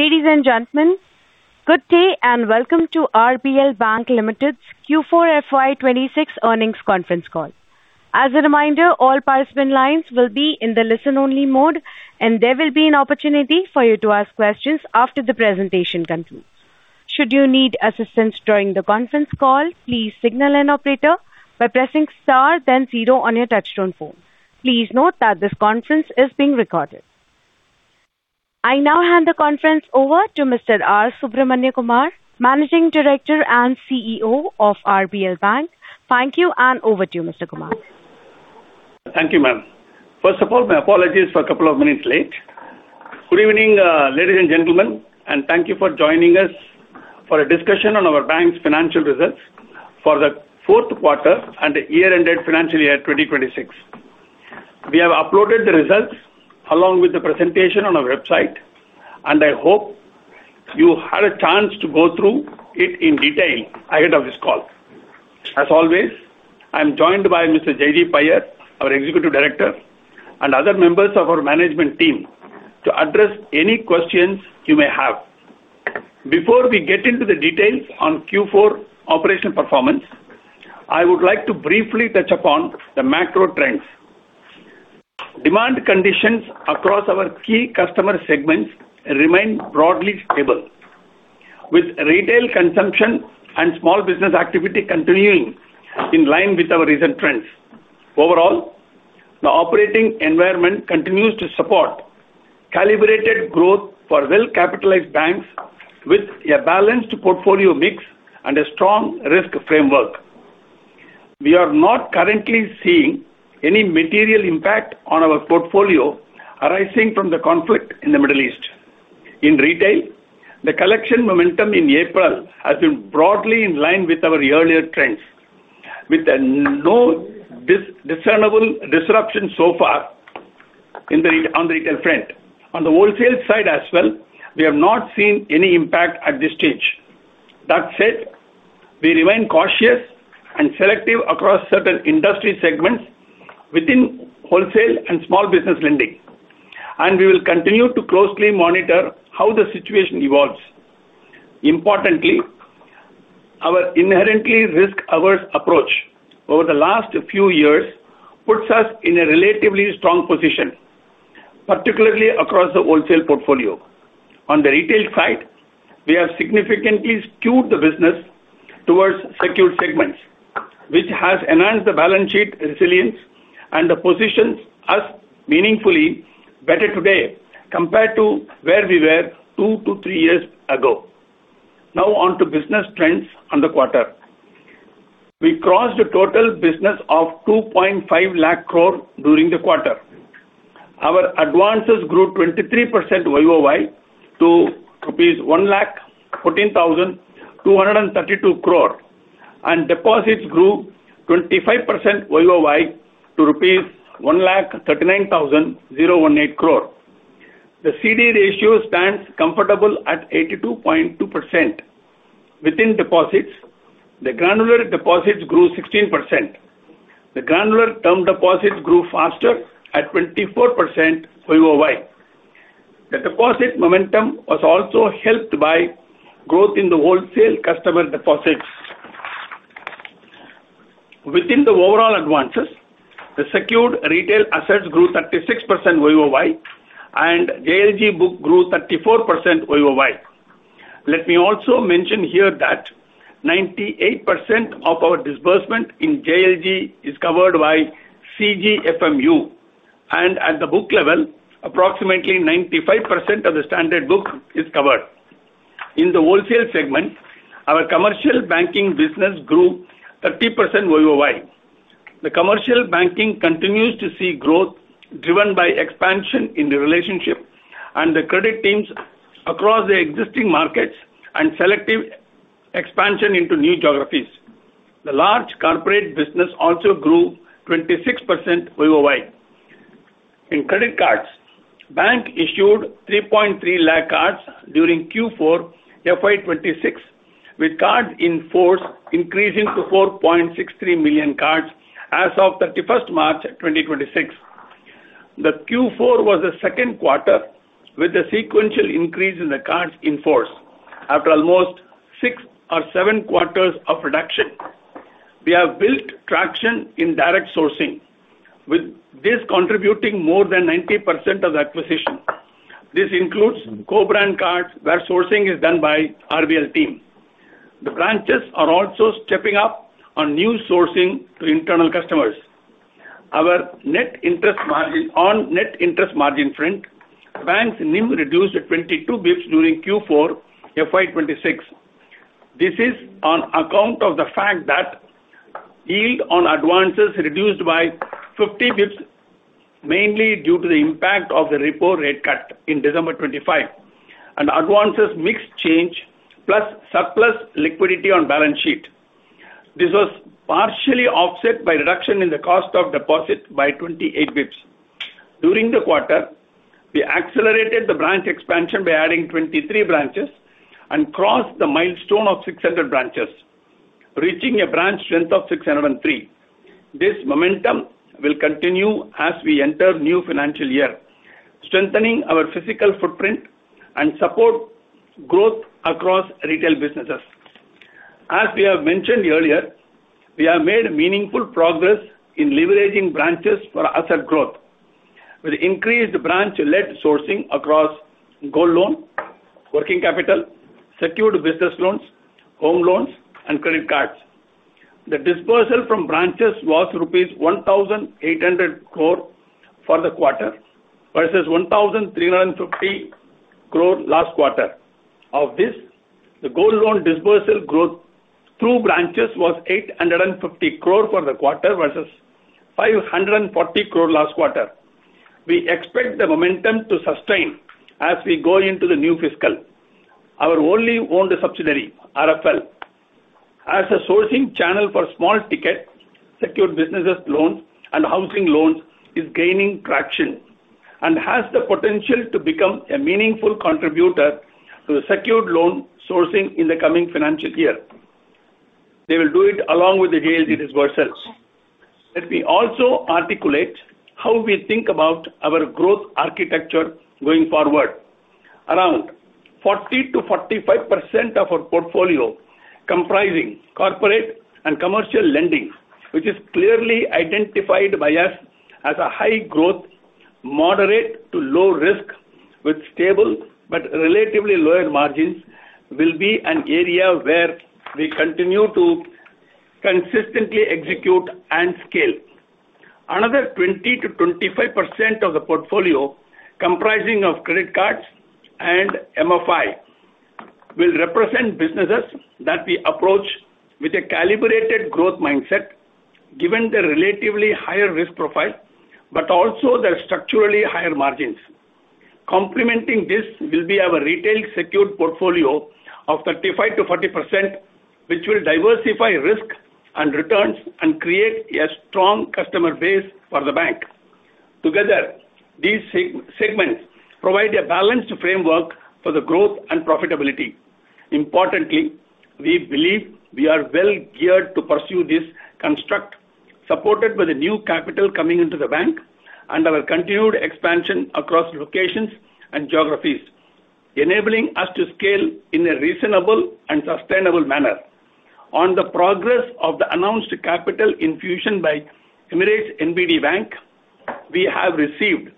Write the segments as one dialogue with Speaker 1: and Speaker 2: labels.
Speaker 1: Ladies and gentlemen, good day, and welcome to RBL Bank Limited's Q4 FY 2026 earnings conference call. As a reminder, all participant lines will be in the listen-only mode, and there will be an opportunity for you to ask questions after the presentation concludes. Should you need assistance during the conference call, please signal an operator by pressing star then zero on your touchtone phone. Please note that this conference is being recorded. I now hand the conference over to Mr. R. Subramaniakumar, Managing Director and CEO of RBL Bank. Thank you, and over to you, Mr. Kumar.
Speaker 2: Thank you, ma'am. First of all, my apologies for a couple of minutes late. Good evening, ladies and gentlemen, and thank you for joining us for a discussion on our bank's financial results for the fourth quarter and the year-ended financial year 2026. We have uploaded the results along with the presentation on our website, and I hope you had a chance to go through it in detail ahead of this call. As always, I'm joined by Mr. Jaideep Iyer, our Executive Director, and other members of our management team to address any questions you may have. Before we get into the details on Q4 operational performance, I would like to briefly touch upon the macro trends. Demand conditions across our key customer segments remain broadly stable, with retail consumption and small business activity continuing in line with our recent trends. Overall, the operating environment continues to support calibrated growth for well-capitalized banks with a balanced portfolio mix and a strong risk framework. We are not currently seeing any material impact on our portfolio arising from the conflict in the Middle East. In retail, the collection momentum in April has been broadly in line with our earlier trends, with no discernible disruption so far on the retail front. On the wholesale side as well, we have not seen any impact at this stage. That said, we remain cautious and selective across certain industry segments within wholesale and small business lending, and we will continue to closely monitor how the situation evolves. Importantly, our inherently risk-averse approach over the last few years puts us in a relatively strong position, particularly across the wholesale portfolio. On the retail side, we have significantly skewed the business towards secured segments, which has enhanced the balance sheet resilience and positions us meaningfully better today compared to where we were 2-3 years ago. Now on to business trends on the quarter. We crossed a total business of 2.5 lakh crore during the quarter. Our advances grew 23% YoY to rupees 114,232 crore, and deposits grew 25% YoY to rupees 139,018 crore. The CD ratio stands comfortable at 82.2%. Within deposits, the granular deposits grew 16%. The granular term deposits grew faster at 24% YoY. The deposit momentum was also helped by growth in the wholesale customer deposits. Within the overall advances, the secured retail assets grew 36% YoY, and JLG book grew 34% YoY. Let me also mention here that 98% of our disbursement in JLG is covered by CGFMU, and at the book level, approximately 95% of the standard book is covered. In the wholesale segment, our commercial banking business grew 30% YoY. The commercial banking continues to see growth driven by expansion in the relationship and the credit teams across the existing markets and selective expansion into new geographies. The large corporate business also grew 26% YoY. In credit cards, bank issued 3.3 lakh cards during Q4 FY 2026, with cards in force increasing to 4.63 million cards as of 31st March 2026. The Q4 was the second quarter with a sequential increase in the cards in force after almost six or seven quarters of reduction. We have built traction in direct sourcing, with this contributing more than 90% of the acquisition. This includes co-brand cards where sourcing is done by RBL team. The branches are also stepping up on new sourcing to internal customers. Our net interest margin. On net interest margin front, bank's NIM reduced to 22 basis points during Q4 FY 2026. This is on account of the fact that yield on advances reduced by 50 basis points, mainly due to the impact of the repo rate cut in December 2025, and advances mix change plus surplus liquidity on balance sheet. This was partially offset by reduction in the cost of deposit by 28 basis points. During the quarter, we accelerated the branch expansion by adding 23 branches and crossed the milestone of 600 branches, reaching a branch strength of 603. This momentum will continue as we enter new financial year, strengthening our physical footprint and to support growth across retail businesses. As we have mentioned earlier, we have made meaningful progress in leveraging branches for asset growth with increased branch-led sourcing across gold loan, working capital, secured business loans, home loans and credit cards. The disbursal from branches was rupees 1,800 crore for the quarter versus 1,350 crore last quarter. Of this, the gold loan disbursal through branches was 850 crore for the quarter versus 540 crore last quarter. We expect the momentum to sustain as we go into the new fiscal. Our wholly-owned subsidiary, RFL, as a sourcing channel for small ticket secured business loans and housing loans, is gaining traction and has the potential to become a meaningful contributor to the secured loan sourcing in the coming financial year. They will do it along with the JLG disbursals. Let me also articulate how we think about our growth architecture going forward. Around 40%-45% of our portfolio comprising corporate and commercial lending, which is clearly identified by us as a high growth, moderate to low risk with stable but relatively lower margins, will be an area where we continue to consistently execute and scale. Another 20%-25% of the portfolio comprising of credit cards and MFI will represent businesses that we approach with a calibrated growth mindset given the relatively higher risk profile but also the structurally higher margins. Complementing this will be our retail secured portfolio of 35%-40%, which will diversify risk and returns and create a strong customer base for the bank. Together, these segments provide a balanced framework for the growth and profitability. Importantly, we believe we are well geared to pursue this construct, supported by the new capital coming into the bank and our continued expansion across locations and geographies, enabling us to scale in a reasonable and sustainable manner. On the progress of the announced capital infusion by Emirates NBD Bank, we have received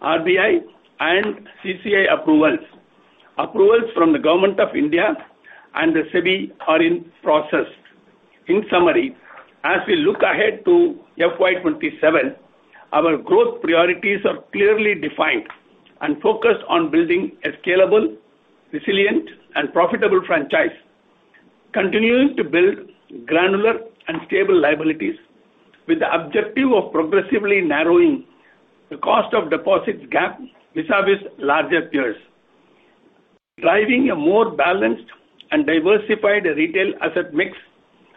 Speaker 2: RBI and CCI approvals. Approvals from the Government of India and the SEBI are in process. In summary, as we look ahead to FY 2027, our growth priorities are clearly defined and focused on building a scalable, resilient and profitable franchise, continuing to build granular and stable liabilities with the objective of progressively narrowing the cost of deposit gap vis-a-vis larger peers, driving a more balanced and diversified retail asset mix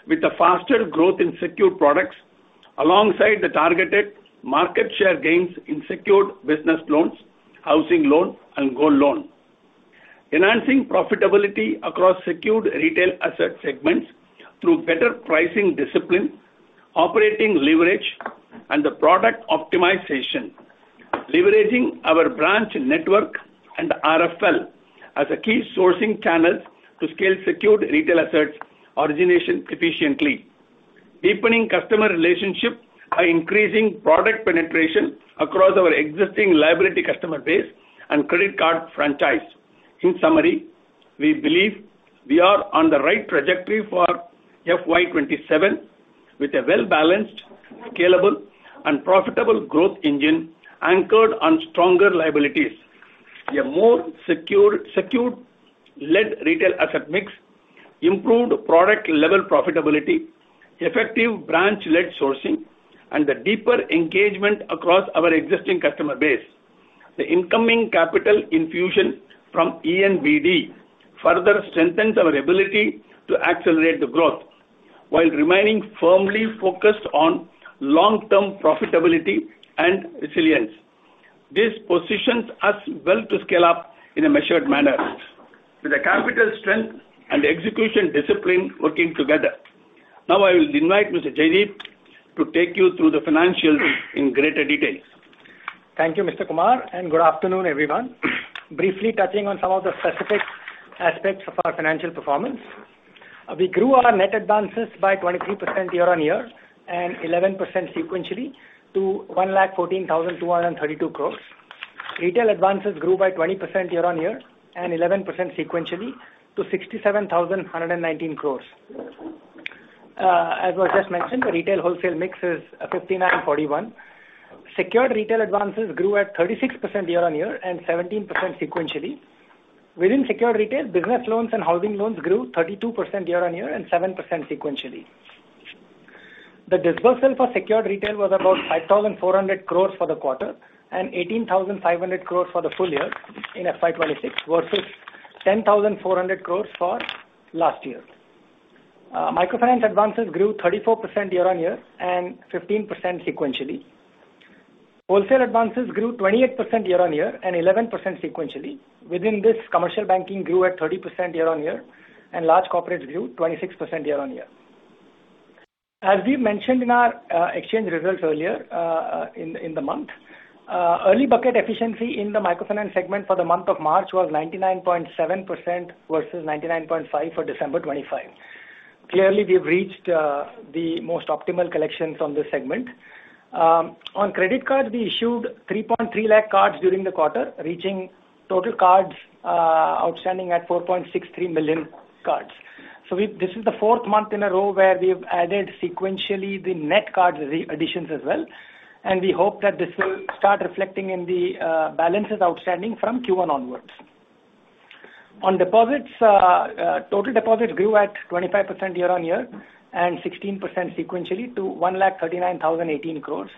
Speaker 2: with a faster growth in secured products alongside the targeted market share gains in secured business loans, housing loan and gold loan, enhancing profitability across secured retail asset segments through better pricing discipline, operating leverage and the product optimization, leveraging our branch network and RFL as a key sourcing channels to scale secured retail assets origination efficiently, deepening customer relationship by increasing product penetration across our existing liability customer base and credit card franchise. In summary, we believe we are on the right trajectory for FY 2027 with a well-balanced, scalable and profitable growth engine anchored on stronger liabilities, a more secured-led retail asset mix, improved product level profitability, effective branch-led sourcing and a deeper engagement across our existing customer base. The incoming capital infusion from ENBD further strengthens our ability to accelerate the growth while remaining firmly focused on long-term profitability and resilience. This positions us well to scale up in a measured manner with the capital strength and execution discipline working together. Now I will invite Mr. Jaideep to take you through the financials in greater detail.
Speaker 3: Thank you, Mr. Kumar, and good afternoon, everyone. Briefly touching on some of the specific aspects of our financial performance. We grew our net advances by 23% year-on-year and 11% sequentially to 1,14,232 crore. Retail advances grew by 20% year-on-year and 11% sequentially to 67,119 crore. As was just mentioned, the retail wholesale mix is 59% and 41%. Secured retail advances grew at 36% year-on-year and 17% sequentially. Within secured retail, business loans and housing loans grew 32% year-on-year and 7% sequentially. The disbursal for secured retail was about 5,400 crore for the quarter and 18,500 crore for the full year in FY 2026 versus 10,400 crore for last year. Microfinance advances grew 34% year-on-year and 15% sequentially. Wholesale advances grew 28% year-on-year and 11% sequentially. Within this, commercial banking grew at 30% year-on-year and large corporates grew 26% year-on-year. As we mentioned in our exchange results earlier, in the month, early bucket efficiency in the microfinance segment for the month of March was 99.7% versus 99.5% for December 2025. Clearly, we've reached the most optimal collections on this segment. On credit cards, we issued 3.3 lakh cards during the quarter, reaching total cards outstanding at 4.63 million cards. This is the fourth month in a row where we've added sequentially the net cards re-additions as well, and we hope that this will start reflecting in the balances outstanding from Q1 onwards. On deposits, total deposits grew at 25% year-on-year and 16% sequentially to 1,39,018 crore.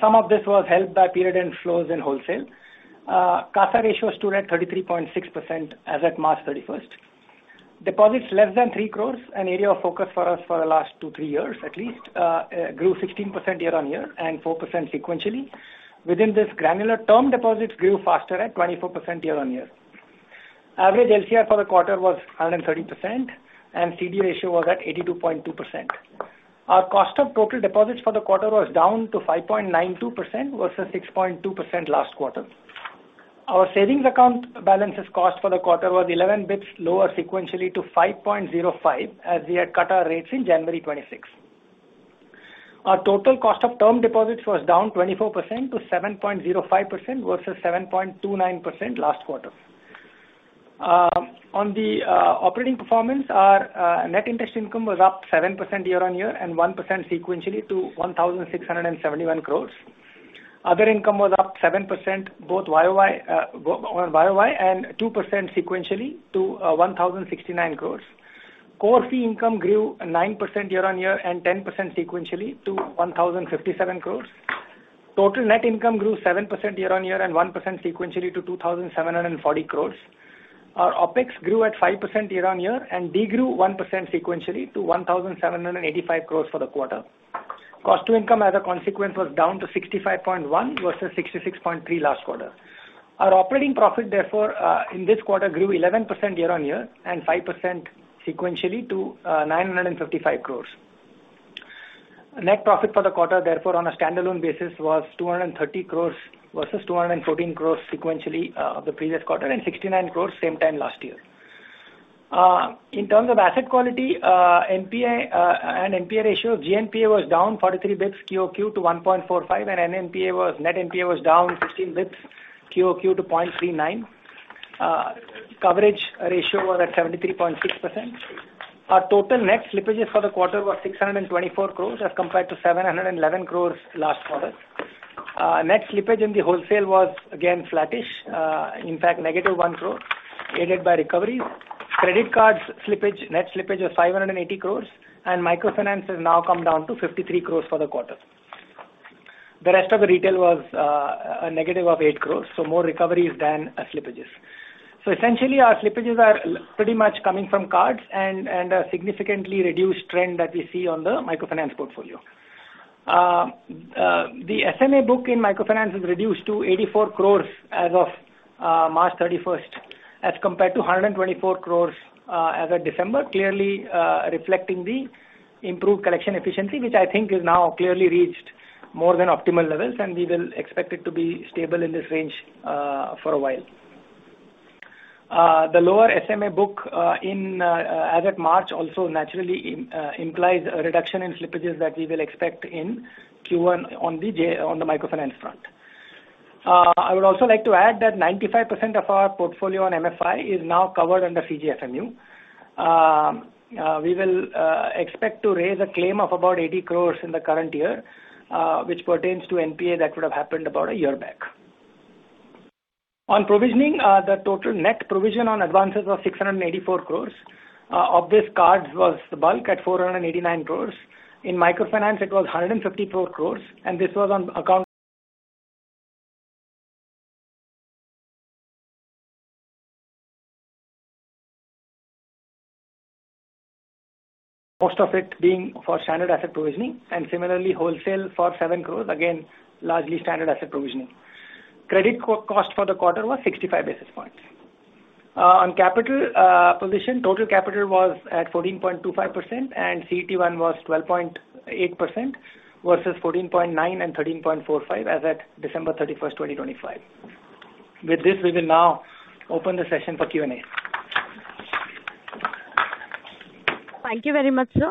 Speaker 3: Some of this was helped by period inflows in wholesale. CASA ratio stood at 33.6% as at March 31. Deposits less than 3 crore, an area of focus for us for the last two, three years at least, grew 16% year-on-year and 4% sequentially. Within this granular term, deposits grew faster at 24% year-on-year. Average LCR for the quarter was 130%, and CD ratio was at 82.2%. Our cost of total deposits for the quarter was down to 5.92% versus 6.2% last quarter. Our cost of savings account balances for the quarter was 11 bps lower sequentially to 5.05%, as we had cut our rates in January 26. Our total cost of term deposits was down 24% to 7.05% versus 7.29% last quarter. On the operating performance, our net interest income was up 7% year-over-year and 1% sequentially to 1,671 crores. Other income was up 7%, both YoY and 2% sequentially to 1,069 crores. Core fee income grew 9% year-over-year and 10% sequentially to 1,057 crores. Total net income grew 7% year-over-year and 1% sequentially to 2,740 crores. Our OpEx grew at 5% year-on-year and de-grew 1% sequentially to 1,785 crore for the quarter. Cost to income as a consequence was down to 65.1 versus 66.3 last quarter. Our operating profit, therefore, in this quarter grew 11% year-on-year and 5% sequentially to 955 crore. Net profit for the quarter, therefore, on a standalone basis was 230 crore versus 214 crore sequentially, the previous quarter, and 69 crore same time last year. In terms of asset quality, NPA and NPA ratio, GNPA was down 43 basis points QOQ to 1.45, and net NPA was down 15 basis points QOQ to 0.39. Coverage ratio was at 73.6%. Our total net slippages for the quarter was 624 crore as compared to 711 crore last quarter. Net slippage in the wholesale was again flattish. In fact, -1 crore aided by recoveries. Credit cards slippage, net slippage was 580 crore, and microfinance has now come down to 53 crore for the quarter. The rest of the retail was a negative of 8 crore, so more recoveries than slippages. Essentially, our slippages are pretty much coming from cards and a significantly reduced trend that we see on the microfinance portfolio. The SMA book in microfinance is reduced to 84 crores as of March 31st, as compared to 124 crores as of December, clearly reflecting the improved collection efficiency, which I think is now clearly reached more than optimal levels, and we will expect it to be stable in this range for a while. The lower SMA book in as at March also naturally implies a reduction in slippages that we will expect in Q1 on the microfinance front. I would also like to add that 95% of our portfolio on MFI is now covered under CGSMU. We will expect to raise a claim of about 80 crores in the current year, which pertains to NPA that would have happened about a year back. On provisioning, the total net provision on advances was 684 crore. Of this, cards was the bulk at 489 crore. In microfinance, it was 154 crore, and this was on account most of it being for standard asset provisioning, and similarly, wholesale for 7 crore, again, largely standard asset provisioning. Credit cost for the quarter was 65 basis points. On capital position, total capital was at 14.25%, and CET1 was 12.8% versus 14.9% and 13.45% as at December 31, 2025. With this, we will now open the session for Q&A.
Speaker 1: Thank you very much, sir.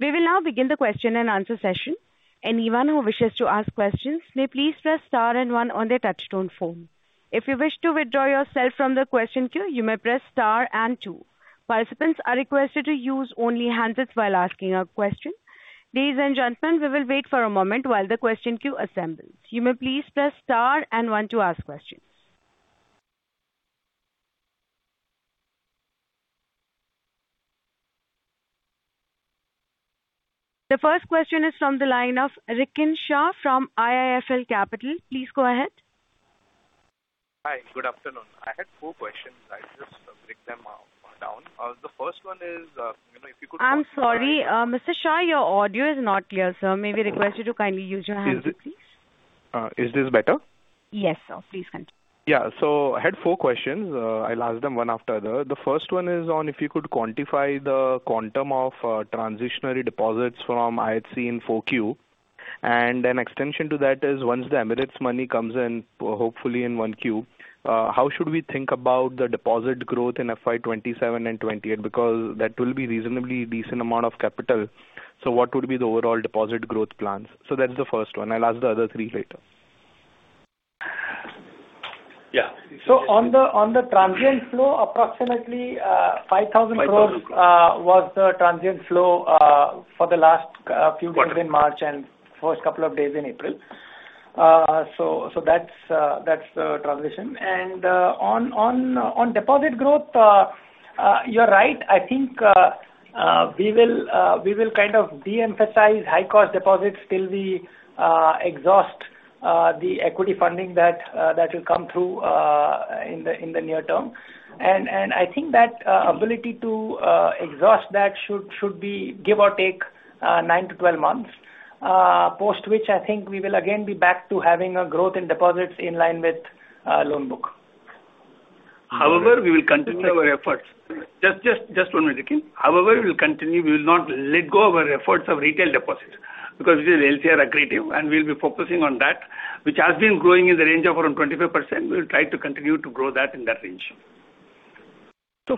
Speaker 1: We will now begin the question and answer session. Anyone who wishes to ask questions may please press star and one on their touchtone phone. If you wish to withdraw yourself from the question queue, you may press star and two. Participants are requested to use only handsets while asking a question. Ladies and gentlemen, we will wait for a moment while the question queue assembles. You may please press star and one to ask questions. The first question is from the line of Rikin Shah from IIFL Capital. Please go ahead.
Speaker 4: Good afternoon. I had four questions. I'll just break them down. The first one is, you know, if you could-
Speaker 1: I'm sorry. Mr. Shah, your audio is not clear, sir. May we request you to kindly use your handset, please?
Speaker 4: Is this better?
Speaker 1: Yes, sir. Please continue.
Speaker 4: Yeah. I had four questions. I'll ask them one after the other. The first one is on if you could quantify the quantum of transitory deposits from IHC in Q4. An extension to that is once the Emirates money comes in, hopefully in Q1, how should we think about the deposit growth in FY 2027 and 2028? Because that will be reasonably decent amount of capital. What would be the overall deposit growth plans? That's the first one. I'll ask the other three later.
Speaker 3: Yeah. On the transient flow, approximately 5,000 crore-
Speaker 4: 5,000 crore.
Speaker 3: was the transient flow for the last few days
Speaker 4: Got it.
Speaker 3: in March and first couple of days in April. That's the transition. On deposit growth, you're right. I think we will kind of de-emphasize high cost deposits till we exhaust the equity funding that will come through in the near term. I think that ability to exhaust that should be give or take 9-12 months, post which I think we will again be back to having a growth in deposits in line with loan book. However, we will continue our efforts. Just one minute, Rikin. However, we will continue. We will not let go of our efforts of retail deposits because it is LCR accretive, and we'll be focusing on that, which has been growing in the range of around 25%. We'll try to continue to grow that in that range.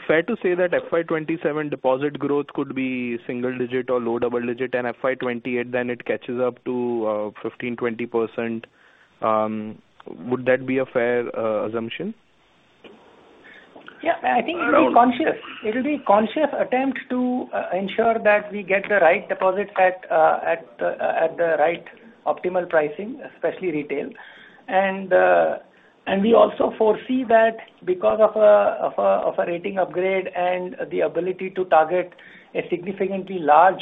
Speaker 4: Fair to say that FY 2027 deposit growth could be single-digit or low double-digit and FY 2028 then it catches up to 15%-20%. Would that be a fair assumption?
Speaker 3: Yeah. I think it will be conscious. It will be a conscious attempt to ensure that we get the right deposits at the right optimal pricing, especially retail. We also foresee that because of a rating upgrade and the ability to target a significantly large,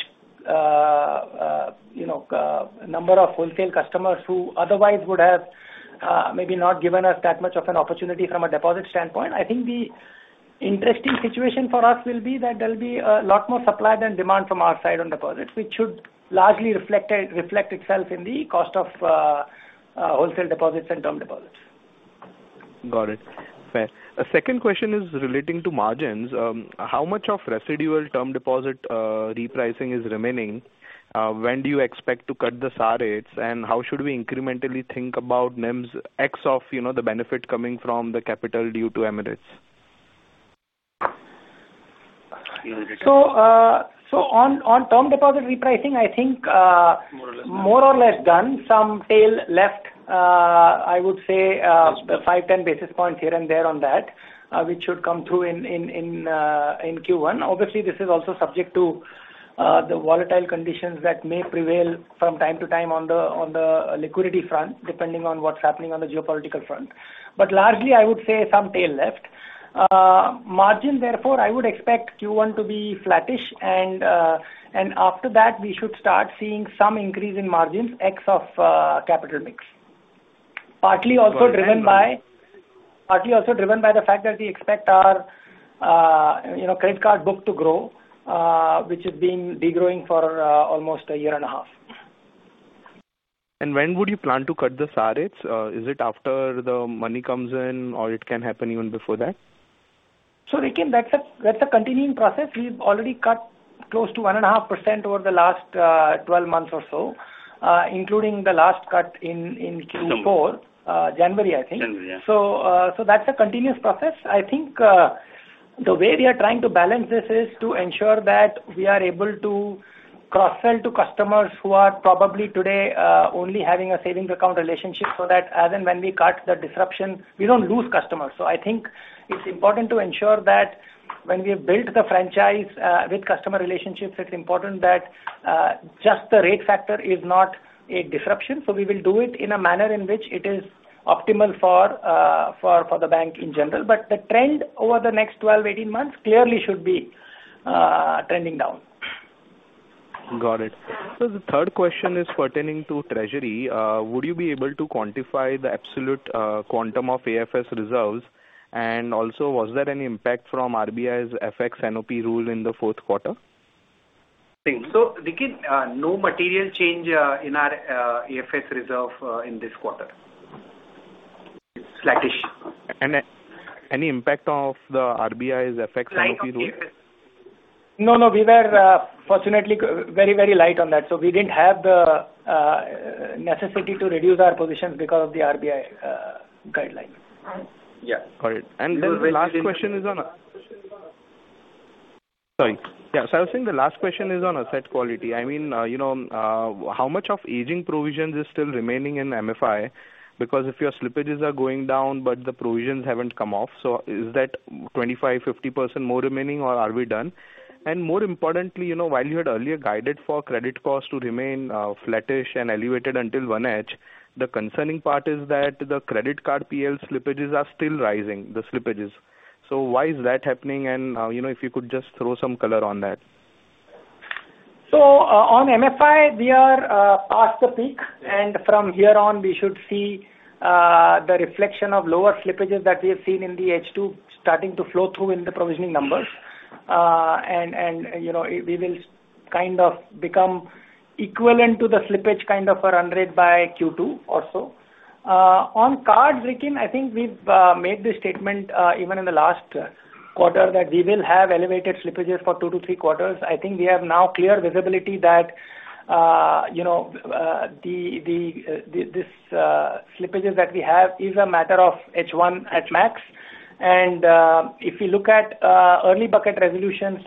Speaker 3: you know, number of wholesale customers who otherwise would have maybe not given us that much of an opportunity from a deposit standpoint. I think the interesting situation for us will be that there'll be a lot more supply than demand from our side on deposits, which should largely reflect itself in the cost of wholesale deposits and term deposits.
Speaker 4: Got it. Fair. The second question is relating to margins. How much of residual term deposit repricing is remaining? When do you expect to cut the SA rates, and how should we incrementally think about NIMS ex of, you know, the benefit coming from the capital due to Emirates?
Speaker 3: On term deposit repricing, I think more or less done. Some tail left, I would say, 5, 10 basis points here and there on that, which should come through in Q1. Obviously, this is also subject to the volatile conditions that may prevail from time to time on the liquidity front, depending on what's happening on the geopolitical front. But largely, I would say some tail left. Margin, therefore, I would expect Q1 to be flattish and after that, we should start seeing some increase in margins ex of capital mix. Partly also driven by the fact that we expect our, you know, credit card book to grow, which has been degrowing for almost a year and a half.
Speaker 4: When would you plan to cut the SA rates? Is it after the money comes in or it can happen even before that?
Speaker 3: Rikin, that's a continuing process. We've already cut close to 1.5% over the last 12 months or so, including the last cut in Q4.
Speaker 4: December.
Speaker 3: January, I think.
Speaker 4: January, yeah.
Speaker 3: That's a continuous process. I think the way we are trying to balance this is to ensure that we are able to cross sell to customers who are probably today only having a savings account relationship, so that as and when we cut the disruption, we don't lose customers. I think it's important to ensure that when we've built the franchise with customer relationships, it's important that just the rate factor is not a disruption. We will do it in a manner in which it is optimal for the bank in general. The trend over the next 12, 18 months clearly should be trending down.
Speaker 4: Got it. The third question is pertaining to treasury. Would you be able to quantify the absolute quantum of AFS reserves? And also was there any impact from RBI's FX NOP rule in the fourth quarter?
Speaker 2: Rikin, no material change in our AFS reserve in this quarter. Flattish.
Speaker 4: Any impact of the RBI's FX NOP rule?
Speaker 3: No, we were fortunately very light on that. We didn't have the necessity to reduce our positions because of the RBI guideline.
Speaker 4: Yeah. Got it. I was saying the last question is on asset quality. I mean, you know, how much of aging provisions is still remaining in MFI? Because if your slippages are going down, but the provisions haven't come off, is that 25%, 50% more remaining or are we done? More importantly, you know, while you had earlier guided for credit costs to remain flattish and elevated until 1H, the concerning part is that the credit card PL slippages are still rising. Why is that happening? You know, if you could just throw some color on that.
Speaker 3: On MFI, we are past the peak, and from here on, we should see the reflection of lower slippages that we have seen in the H2 starting to flow through in the provisioning numbers. You know, we will kind of become equivalent to the slippage kind of our run rate by Q2 or so. On cards, Vikram, I think we've made the statement even in the last quarter that we will have elevated slippages for 2-3 quarters. I think we have now clear visibility that you know the slippages that we have is a matter of H1 at max. If you look at early bucket resolutions,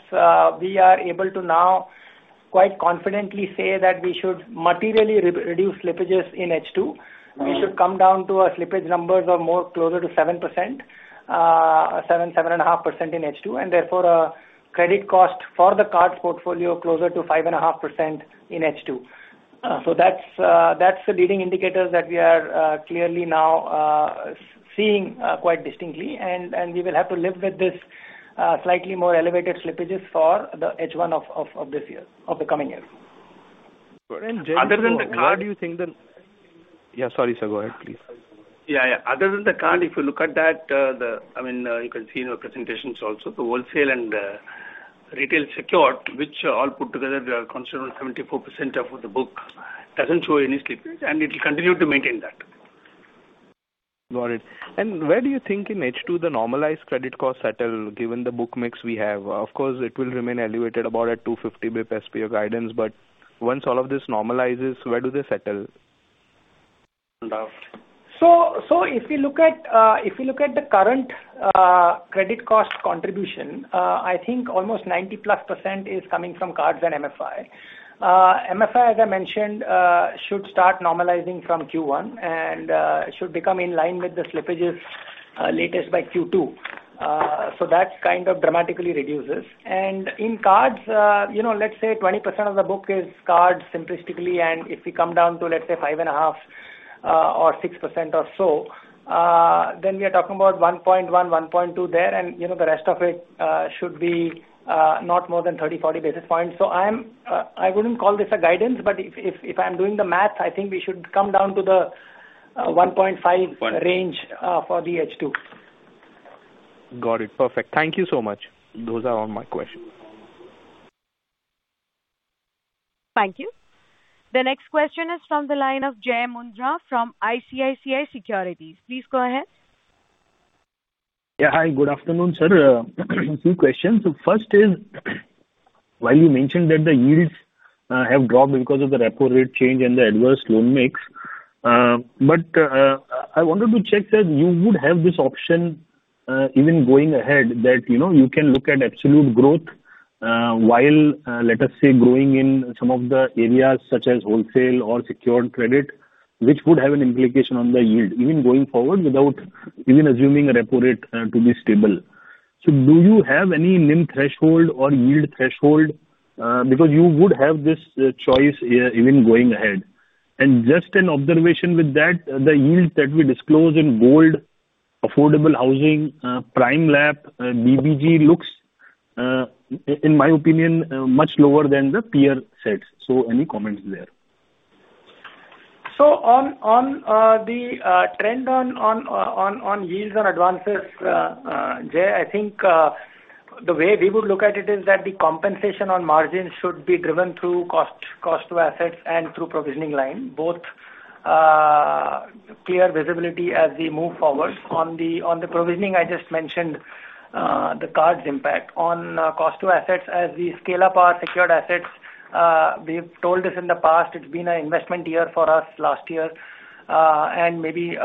Speaker 3: we are able to now quite confidently say that we should materially reduce slippages in H2.
Speaker 4: Mm-hmm.
Speaker 3: We should come down to our slippage numbers or more closer to 7%, 7.5% in H2, and therefore, a credit cost for the card portfolio closer to 5.5% in H2. That's the leading indicators that we are clearly now seeing quite distinctly. We will have to live with this slightly more elevated slippages for the H1 of this year of the coming year.
Speaker 4: Got it.
Speaker 2: Other than the card.
Speaker 4: Yeah, sorry, sir. Go ahead, please.
Speaker 2: Yeah, yeah. Other than the card, if you look at that, I mean, you can see in our presentations also. The wholesale and retail secured, which all put together, they are considered 74% of the book, doesn't show any slippage, and it will continue to maintain that.
Speaker 4: Got it. Where do you think in H2 the normalized credit cost settle given the book mix we have? Of course, it will remain elevated about at 250 basis points per your guidance. Once all of this normalizes, where do they settle?
Speaker 3: If you look at the current credit cost contribution, I think almost 90+% is coming from cards and MFI. MFI, as I mentioned, should start normalizing from Q1 and should become in line with the slippages, latest by Q2. That kind of dramatically reduces. In cards, you know, let's say 20% of the book is cards simplistically, and if we come down to, let's say, 5.5% or 6% or so, then we are talking about 1.1%, 1.2% there. You know, the rest of it should be not more than 30, 40 basis points. I wouldn't call this a guidance, but if I'm doing the math, I think we should come down to the 1.5% range for the H2.
Speaker 4: Got it. Perfect. Thank you so much. Those are all my questions.
Speaker 1: Thank you. The next question is from the line of Jai Mundhra from ICICI Securities. Please go ahead.
Speaker 5: Yeah. Hi, good afternoon, sir. Two questions. First is, while you mentioned that the yields have dropped because of the repo rate change and the adverse loan mix, but I wanted to check that you would have this option even going ahead that, you know, you can look at absolute growth while let us say, growing in some of the areas such as wholesale or secured credit, which would have an implication on the yield even going forward without even assuming a repo rate to be stable. Do you have any NIM threshold or yield threshold? Because you would have this choice even going ahead. Just an observation with that, the yield that we disclose in gold, affordable housing, Prime LAP, BBG looks in my opinion much lower than the peer sets. Any comments there?
Speaker 3: The trend on yields and advances, Jai, I think the way we would look at it is that the compensation on margins should be driven through cost to assets and through provisioning line, both clear visibility as we move forward. On the provisioning, I just mentioned the cards impact. On cost to assets, as we scale up our secured assets, we've told this in the past, it's been an investment year for us last year, and maybe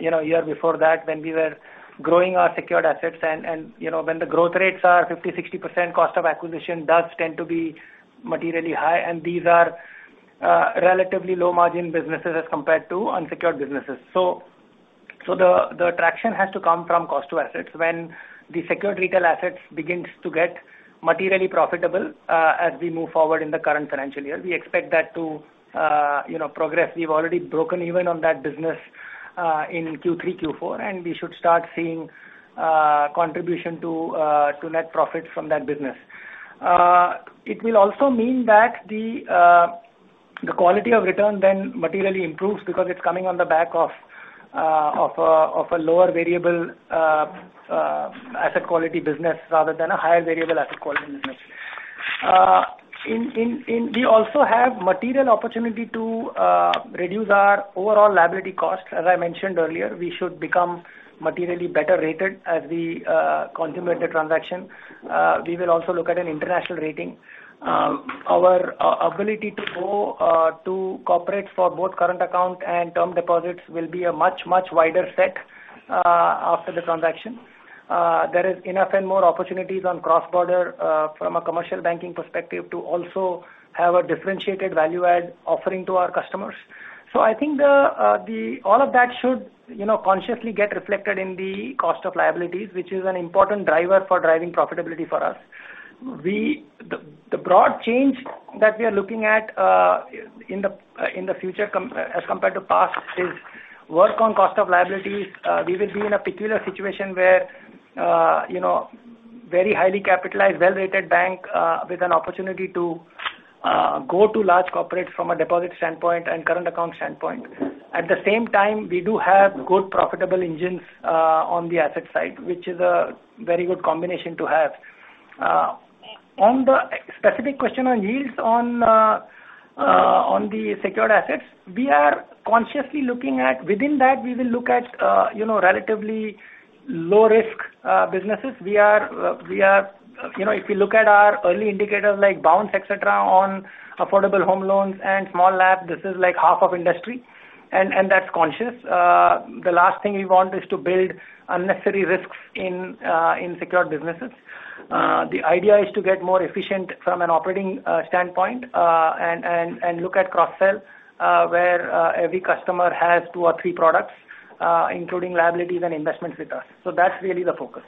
Speaker 3: you know year before that when we were growing our secured assets and you know when the growth rates are 50%, 60%, cost of acquisition does tend to be materially high. These are relatively low-margin businesses as compared to unsecured businesses. The traction has to come from cost to assets. When the secured retail assets begins to get materially profitable, as we move forward in the current financial year, we expect that to you know progress. We've already broken even on that business in Q3, Q4, and we should start seeing contribution to net profit from that business. It will also mean that the quality of return then materially improves because it's coming on the back of a lower variable asset quality business rather than a higher variable asset quality business. We also have material opportunity to reduce our overall liability costs. As I mentioned earlier, we should become materially better rated as we consummate the transaction. We will also look at an international rating. Our ability to go to corporates for both current account and term deposits will be a much wider set after the transaction. There is enough and more opportunities on cross-border from a commercial banking perspective to also have a differentiated value add offering to our customers. I think all of that should, you know, consciously get reflected in the cost of liabilities, which is an important driver for driving profitability for us. The broad change that we are looking at in the future compared to past is work on cost of liabilities. We will be in a peculiar situation where, you know, very highly capitalized, well-rated bank with an opportunity to go to large corporates from a deposit standpoint and current account standpoint. At the same time, we do have good profitable engines on the asset side, which is a very good combination to have. On the specific question on yields on the secured assets, we are consciously looking at within that we will look at you know relatively low risk businesses. We are you know if you look at our early indicators like bounce rates et cetera on affordable home loans and small LAP, this is like half of industry and that's conscious. The last thing we want is to build unnecessary risks in secured businesses. The idea is to get more efficient from an operating standpoint and look at cross sell where every customer has two or three products including liabilities and investments with us. So that's really the focus.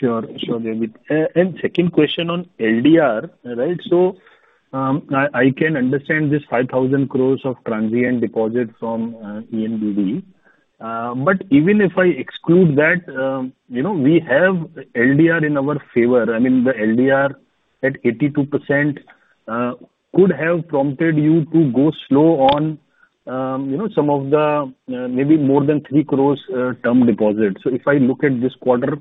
Speaker 5: Sure, Jaideep. Second question on LDR, right? I can understand this 5,000 crore of transient deposit from ENBD. Even if I exclude that, you know, we have LDR in our favor. I mean, the LDR at 82% could have prompted you to go slow on, you know, some of the, maybe more than 3 crore term deposits. If I look at this quarter,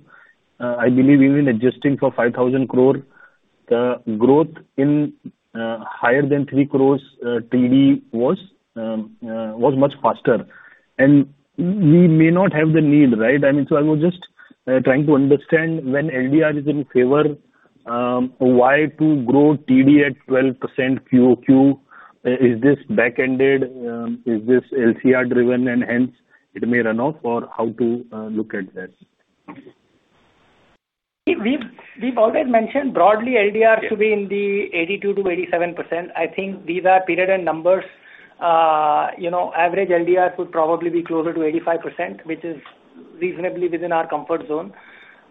Speaker 5: I believe even adjusting for 5,000 crore, the growth in higher than 3 crore TD was much faster. We may not have the need, right? I mean, I was just trying to understand when LDR is in favor, why to grow TD at 12% QoQ. Is this back-ended? Is this LCR driven and hence it may run off? Or how to look at that?
Speaker 3: We've always mentioned broadly LDR.
Speaker 5: Sure.
Speaker 3: should be in the 82%-87%. I think these are period end numbers. You know, average LDR could probably be closer to 85%, which is reasonably within our comfort zone.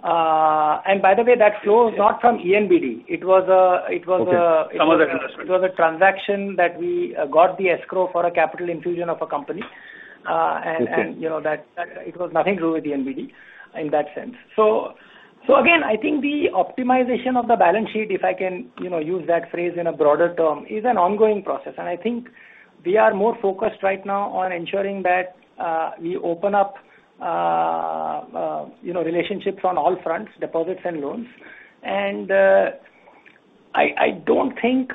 Speaker 3: By the way, that flow is not from ENBD. It was a
Speaker 5: Okay. Some other investment.
Speaker 3: It was a transaction that we got the escrow for a capital infusion of a company.
Speaker 5: Okay.
Speaker 3: You know, that it was nothing to do with ENBD in that sense. I think the optimization of the balance sheet, if I can, you know, use that phrase in a broader term, is an ongoing process. I think we are more focused right now on ensuring that we open up, you know, relationships on all fronts, deposits and loans. I don't think,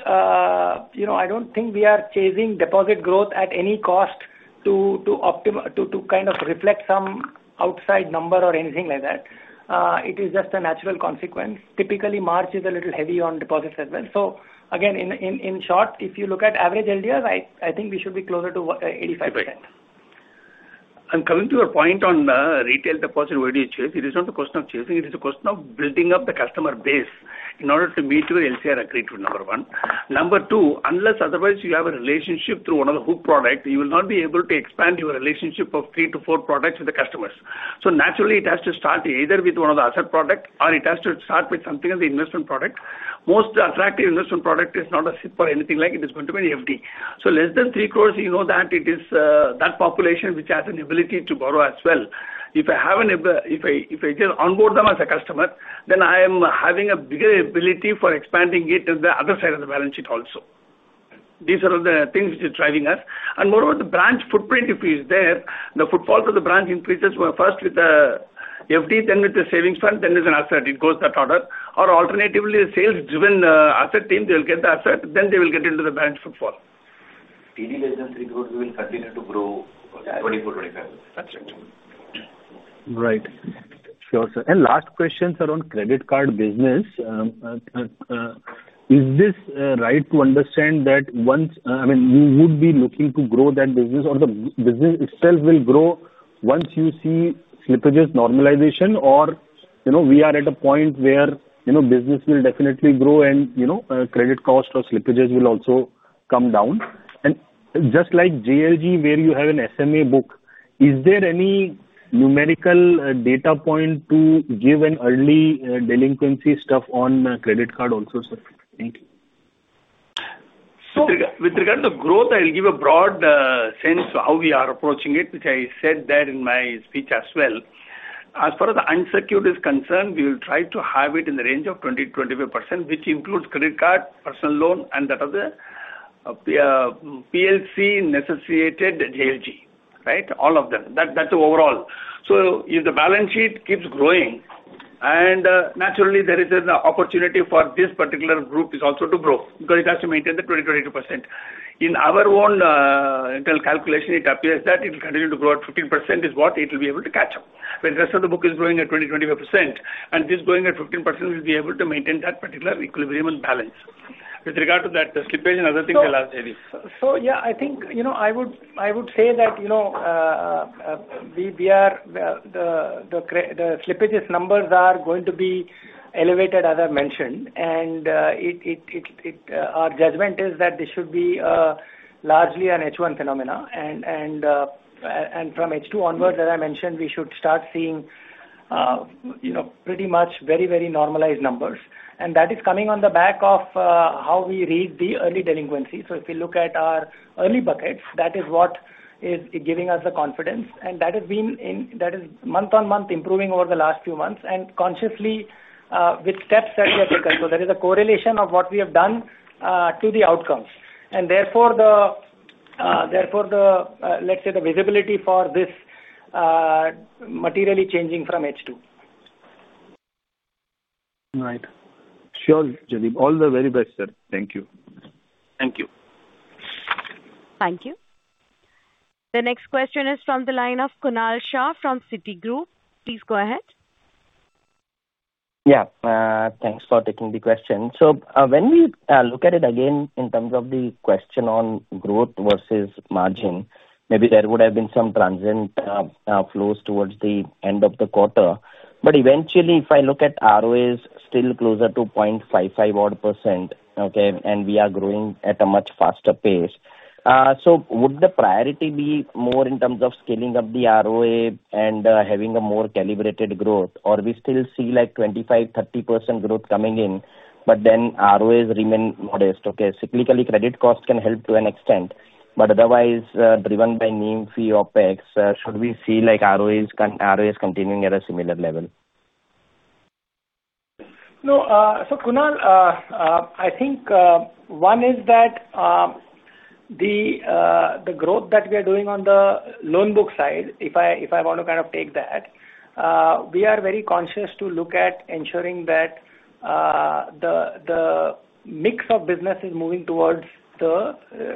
Speaker 3: you know, I don't think we are chasing deposit growth at any cost to kind of reflect some outside number or anything like that. It is just a natural consequence. Typically, March is a little heavy on deposits as well. In short, if you look at average LDRs, I think we should be closer to 85%.
Speaker 2: Coming to your point on retail deposit, why do you chase? It is not a question of chasing, it is a question of building up the customer base in order to meet your LCR agreed to, number one. Number two, unless otherwise you have a relationship through one of the hook product, you will not be able to expand your relationship of 3-4 products with the customers. Naturally, it has to start either with one of the asset product or it has to start with something on the investment product. Most attractive investment product is not a SIP or anything like it is going to be an FD. Less than 3 crore, you know that it is that population which has an ability to borrow as well. If I can onboard them as a customer, then I am having a bigger ability for expanding it in the other side of the balance sheet also. These are all the things which is driving us. Moreover, the branch footprint, if it is there, the footfall for the branch increases, where first with the FD, then with the savings fund, then with an asset. It goes that order. Or alternatively, the sales-driven asset team, they will get the asset, then they will get into the branch footfall.
Speaker 5: TD less than 3 crore will continue to grow 24%-25%.
Speaker 2: That's it.
Speaker 5: Right. Sure, sir. Last question, sir, on credit card business. Is this right to understand that once I mean, you would be looking to grow that business or the business itself will grow once you see slippages normalization or, you know, we are at a point where, you know, business will definitely grow and, you know, credit cost or slippages will also come down. Just like JLG, where you have an SMA book, is there any numerical data point to give an early delinquency stuff on credit card also, sir? Thank you.
Speaker 2: With regard to growth, I'll give a broad sense how we are approaching it, which I said that in my speech as well. As far as the unsecured is concerned, we will try to have it in the range of 20%-25%, which includes credit card, personal loan, and that of the PSL-necessitated JLG, right? All of them. That's the overall. If the balance sheet keeps growing, and naturally there is an opportunity for this particular group is also to grow because it has to maintain the 20%-22%. In our own internal calculation, it appears that it will continue to grow at 15% is what it will be able to catch up. When the rest of the book is growing at 20%-25%, and this growing at 15% will be able to maintain that particular equilibrium and balance. With regard to that slippage and other thing I'll ask Jaideep.
Speaker 3: Yeah, I think, you know, I would say that, you know, the slippages numbers are going to be elevated as I mentioned, and our judgment is that this should be largely an H1 phenomenon. From H2 onwards, as I mentioned, we should start seeing, you know, pretty much very normalized numbers. That is coming on the back of how we read the early delinquency. If you look at our early buckets, that is what is giving us the confidence. That is month-on-month improving over the last few months and consciously with steps that we have taken. There is a correlation of what we have done to the outcomes. Therefore, let's say the visibility for this materially changing from H2.
Speaker 5: Right. Sure, Jaideep. All the very best, sir. Thank you.
Speaker 3: Thank you.
Speaker 1: Thank you. The next question is from the line of Kunal Shah from Citigroup. Please go ahead.
Speaker 6: Yeah. Thanks for taking the question. When we look at it again in terms of the question on growth versus margin, maybe there would have been some transient flows towards the end of the quarter. Eventually, if I look at ROAs still closer to 0.55 odd percent, okay, and we are growing at a much faster pace. Would the priority be more in terms of scaling up the ROA and having a more calibrated growth? We still see like 25%-30% growth coming in, but then ROAs remain modest. Okay. Cyclically credit costs can help to an extent, but otherwise, driven by NIM, fee, OpEx, should we see like ROAs continuing at a similar level?
Speaker 3: No, Kunal, I think one is that the growth that we are doing on the loan book side, if I want to kind of take that, we are very conscious to look at ensuring that the mix of business is moving towards the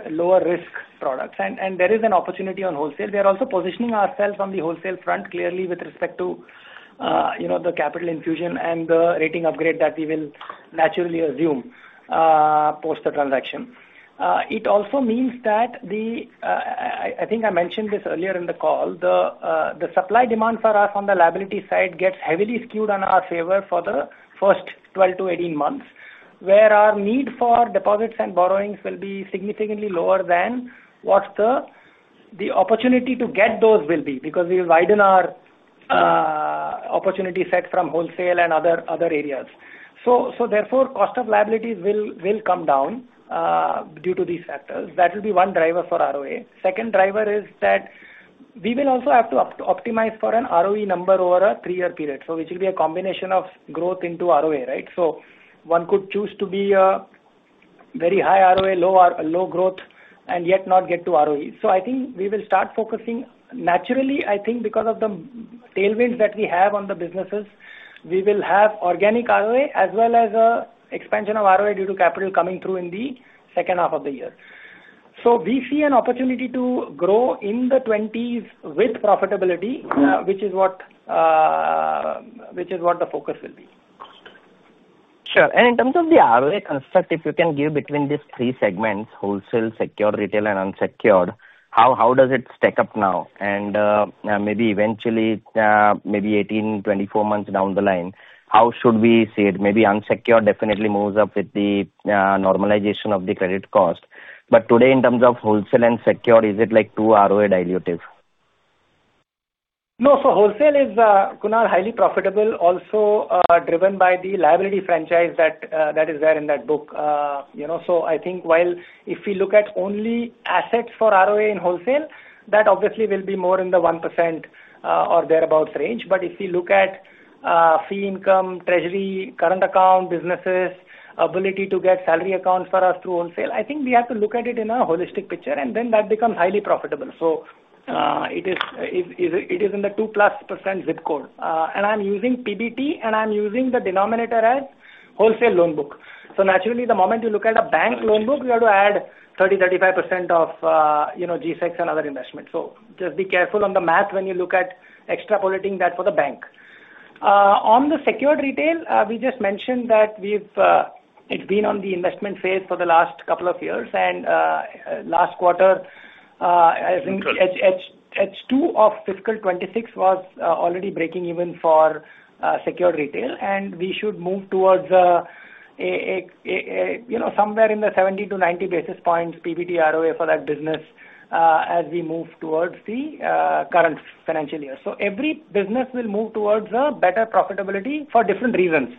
Speaker 3: lower risk products. There is an opportunity on wholesale. We are also positioning ourselves on the wholesale front, clearly with respect to you know the capital infusion and the rating upgrade that we will naturally assume post the transaction. It also means that the. I think I mentioned this earlier in the call. The supply demand for us on the liability side gets heavily skewed in our favor for the first 12 to 18 months, where our need for deposits and borrowings will be significantly lower than what the opportunity to get those will be. Because we widen our opportunity set from wholesale and other areas. Therefore, cost of liabilities will come down due to these factors. That will be one driver for ROA. Second driver is that we will also have to optimize for an ROE number over a three year period. Which will be a combination of growth into ROA, right? I think we will start focusing. Naturally, I think because of the tailwinds that we have on the businesses, we will have organic ROA as well as expansion of ROA due to capital coming through in the second half of the year. We see an opportunity to grow in the twenties with profitability, which is what the focus will be.
Speaker 6: Sure. In terms of the ROA construct, if you can give between these three segments, wholesale, secured retail and unsecured, how does it stack up now? Maybe eventually, maybe 18, 24 months down the line, how should we see it? Maybe unsecured definitely moves up with the normalization of the credit cost. Today, in terms of wholesale and secured, is it like too ROA dilutive?
Speaker 3: No, wholesale is, Kunal, highly profitable also, driven by the liability franchise that is there in that book. You know, I think while if we look at only assets for ROA in wholesale, that obviously will be more in the 1% or thereabout range. But if we look at fee income, treasury, current account, businesses, ability to get salary accounts for us through wholesale, I think we have to look at it in a holistic picture and then that becomes highly profitable. It is in the 2%+ zip code. I'm using PBT and I'm using the denominator as wholesale loan book. Naturally, the moment you look at a bank loan book, you have to add 30%-35% of, you know, G-Secs and other investments. Just be careful on the math when you look at extrapolating that for the bank. On the secured retail, we just mentioned that it's been on the investment phase for the last couple of years. Last quarter, I think H2 of fiscal 2026 was already breaking even for secured retail. We should move towards a you know somewhere in the 70-90 basis points PBT ROA for that business, as we move towards the current financial year. Every business will move towards a better profitability for different reasons.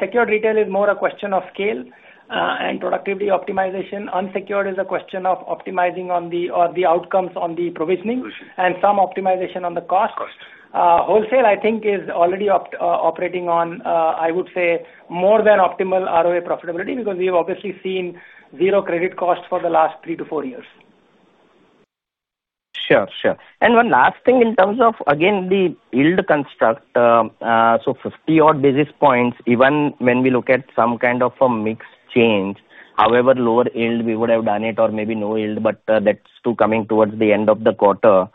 Speaker 3: Secured retail is more a question of scale and productivity optimization. Unsecured is a question of optimizing the outcomes on the provisioning.
Speaker 6: Provisioning.
Speaker 3: Some optimization on the costs.
Speaker 6: Costs.
Speaker 3: Wholesale, I think, is already operating on, I would say more than optimal ROA profitability because we've obviously seen zero credit costs for the last 3-4 years.
Speaker 6: Sure. One last thing in terms of, again, the yield construct. 50 odd basis points, even when we look at some kind of a mix change, however lower yield, we would have done it or maybe no yield, but, that's too coming towards the end of the quarter.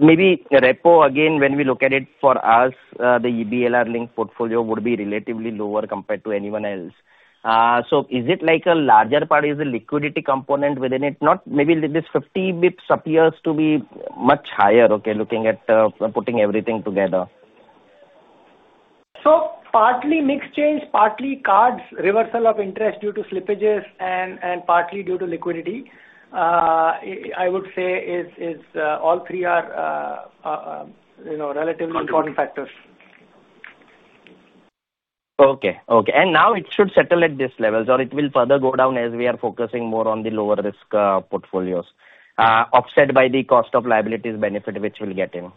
Speaker 6: Maybe repo again, when we look at it for us, the EBLR linked portfolio would be relatively lower compared to anyone else. Is it like a larger part is a liquidity component within it not? Maybe this 50 basis points appears to be much higher, okay, looking at putting everything together.
Speaker 3: Partly mix change, partly cards reversal of interest due to slippages and partly due to liquidity. I would say these, you know, relatively important factors.
Speaker 6: Okay. Now it should settle at this levels or it will further go down as we are focusing more on the lower risk portfolios, offset by the cost of liabilities benefit which we'll get in.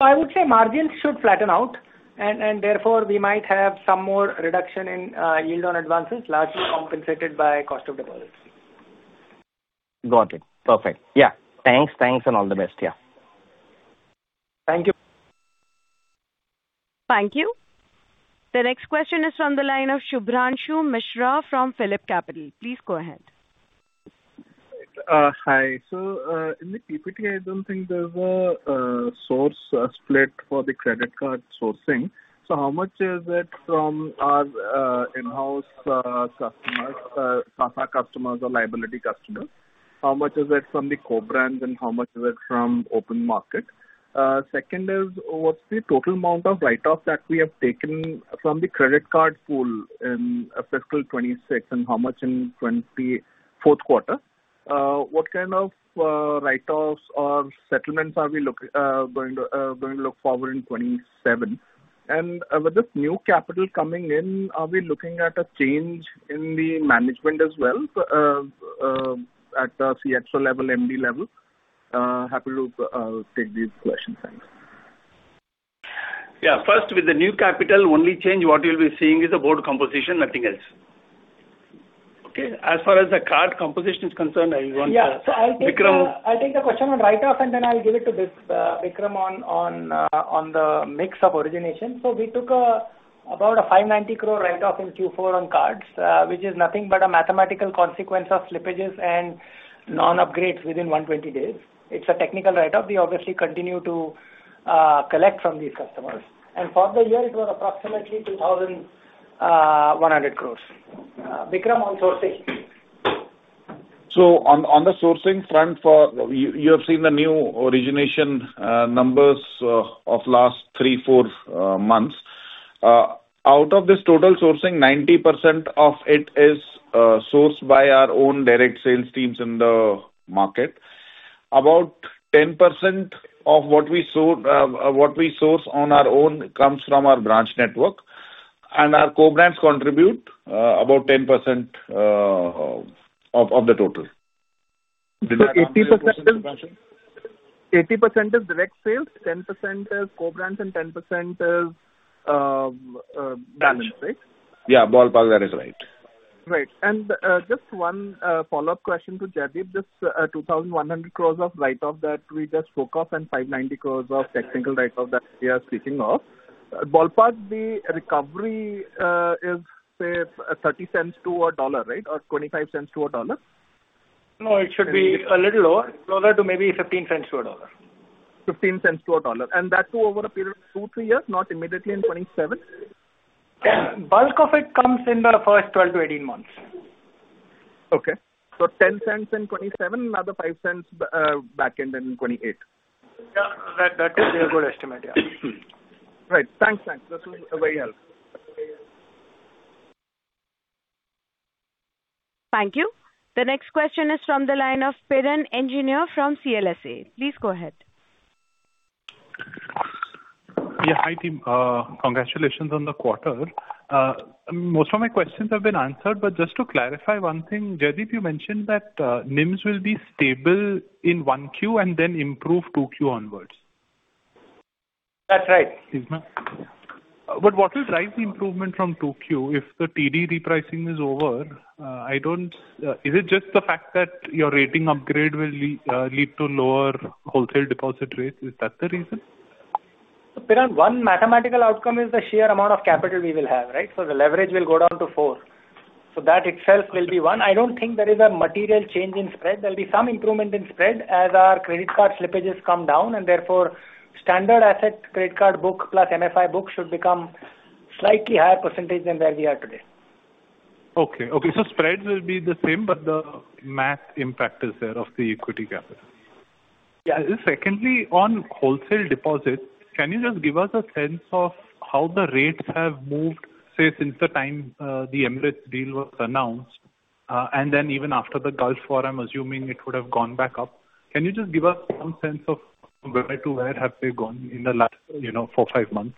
Speaker 3: I would say margins should flatten out and therefore we might have some more reduction in yield on advances largely compensated by cost of deposits.
Speaker 6: Got it. Perfect. Yeah. Thanks and all the best. Yeah.
Speaker 3: Thank you.
Speaker 1: Thank you. The next question is from the line of Shubhranshu Mishra from PhillipCapital. Please go ahead.
Speaker 7: Hi. In the PPT, I don't think there's a source split for the credit card sourcing. How much is it from our in-house customers, CASA customers or liability customers? How much is it from the co-brands, and how much is it from open market? Second, what's the total amount of write-offs that we have taken from the credit card pool in FY 2026 and how much in Q4 2024? What kind of write-offs or settlements are we going to look forward to in 2027? With this new capital coming in, are we looking at a change in the management as well at the CXO level, MD level? Happy to take these questions. Thanks.
Speaker 8: Yeah. First, with the new capital, only change what you'll be seeing is the board composition, nothing else.
Speaker 7: Okay. As far as the card composition is concerned, are you going to?
Speaker 3: Yeah.
Speaker 7: Vikram.
Speaker 3: I'll take the question on write-off, and then I'll give it to Vikram on the mix of origination. We took about 590 crore write-off in Q4 on cards, which is nothing but a mathematical consequence of slippages and non-upgrades within 120 days. It's a technical write-off. We obviously continue to collect from these customers. For the year, it was approximately 2,100 crore. Vikram on sourcing.
Speaker 8: On the sourcing front for... You have seen the new origination numbers of last 3-4 months. Out of this total sourcing, 90% of it is sourced by our own direct sales teams in the market. About 10% of what we source on our own comes from our branch network. Our co-brands contribute about 10% of the total.
Speaker 7: The 80% is- 80% is direct sales, 10% is co-brands, and 10% is balance, right?
Speaker 8: Yeah. Ballpark, that is right.
Speaker 7: Right. Just one follow-up question to Jaideep. This 2,100 crores of write-off that we just spoke of and 590 crores of technical write-off that we are speaking of, ballpark, the recovery is, say, 30 cents to a dollar, right? Or 25 cents to a dollar?
Speaker 3: No, it should be a little lower. Closer to maybe $0.15-$1.
Speaker 7: $0.15-$1. That too over a period of 2-3 years, not immediately in 2027?
Speaker 3: Yeah. Bulk of it comes in the first 12 to 18 months.
Speaker 7: Okay. $0.10 in 2027, another $0.05 back end in 2028.
Speaker 3: Yeah. That is a good estimate. Yeah.
Speaker 7: Right. Thanks. This was very helpful.
Speaker 1: Thank you. The next question is from the line of Piran Engineer from CLSA. Please go
Speaker 9: Yeah. Hi, team. Congratulations on the quarter. Most of my questions have been answered, but just to clarify one thing. Jaideep, you mentioned that NIMs will be stable in 1Q and then improve 2Q onwards.
Speaker 3: That's right.
Speaker 9: Excuse me. What will drive the improvement from 2Q if the TD repricing is over? Is it just the fact that your rating upgrade will lead to lower wholesale deposit rates? Is that the reason?
Speaker 3: Piran, one mathematical outcome is the sheer amount of capital we will have, right? That itself will be one. I don't think there is a material change in spread. There'll be some improvement in spread as our credit card slippages come down, and therefore standard assets credit card book plus MFI book should become slightly higher percentage than where we are today.
Speaker 9: Okay, spreads will be the same, but the math impact is there of the equity capital. Yeah. Secondly, on wholesale deposits, can you just give us a sense of how the rates have moved, say, since the time the Emirates deal was announced? And then even after the Gulf War, I'm assuming it would have gone back up. Can you just give us some sense of where to where have they gone in the last, you know, four, five months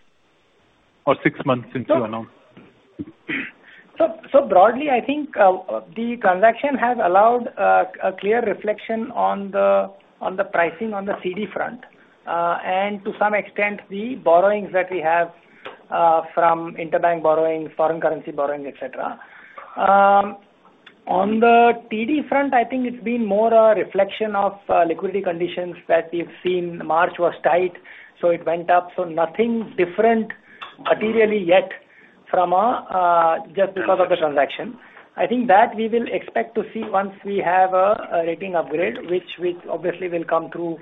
Speaker 9: or six months since you announced?
Speaker 3: Broadly, I think, the transaction has allowed a clear reflection on the pricing on the CD front. And to some extent, the borrowings that we have from interbank borrowing, foreign currency borrowing, et cetera. On the TD front, I think it's been more a reflection of liquidity conditions that we've seen. March was tight, so it went up. Nothing different materially yet from just because of the transaction. I think that we will expect to see once we have a rating upgrade, which obviously will come through,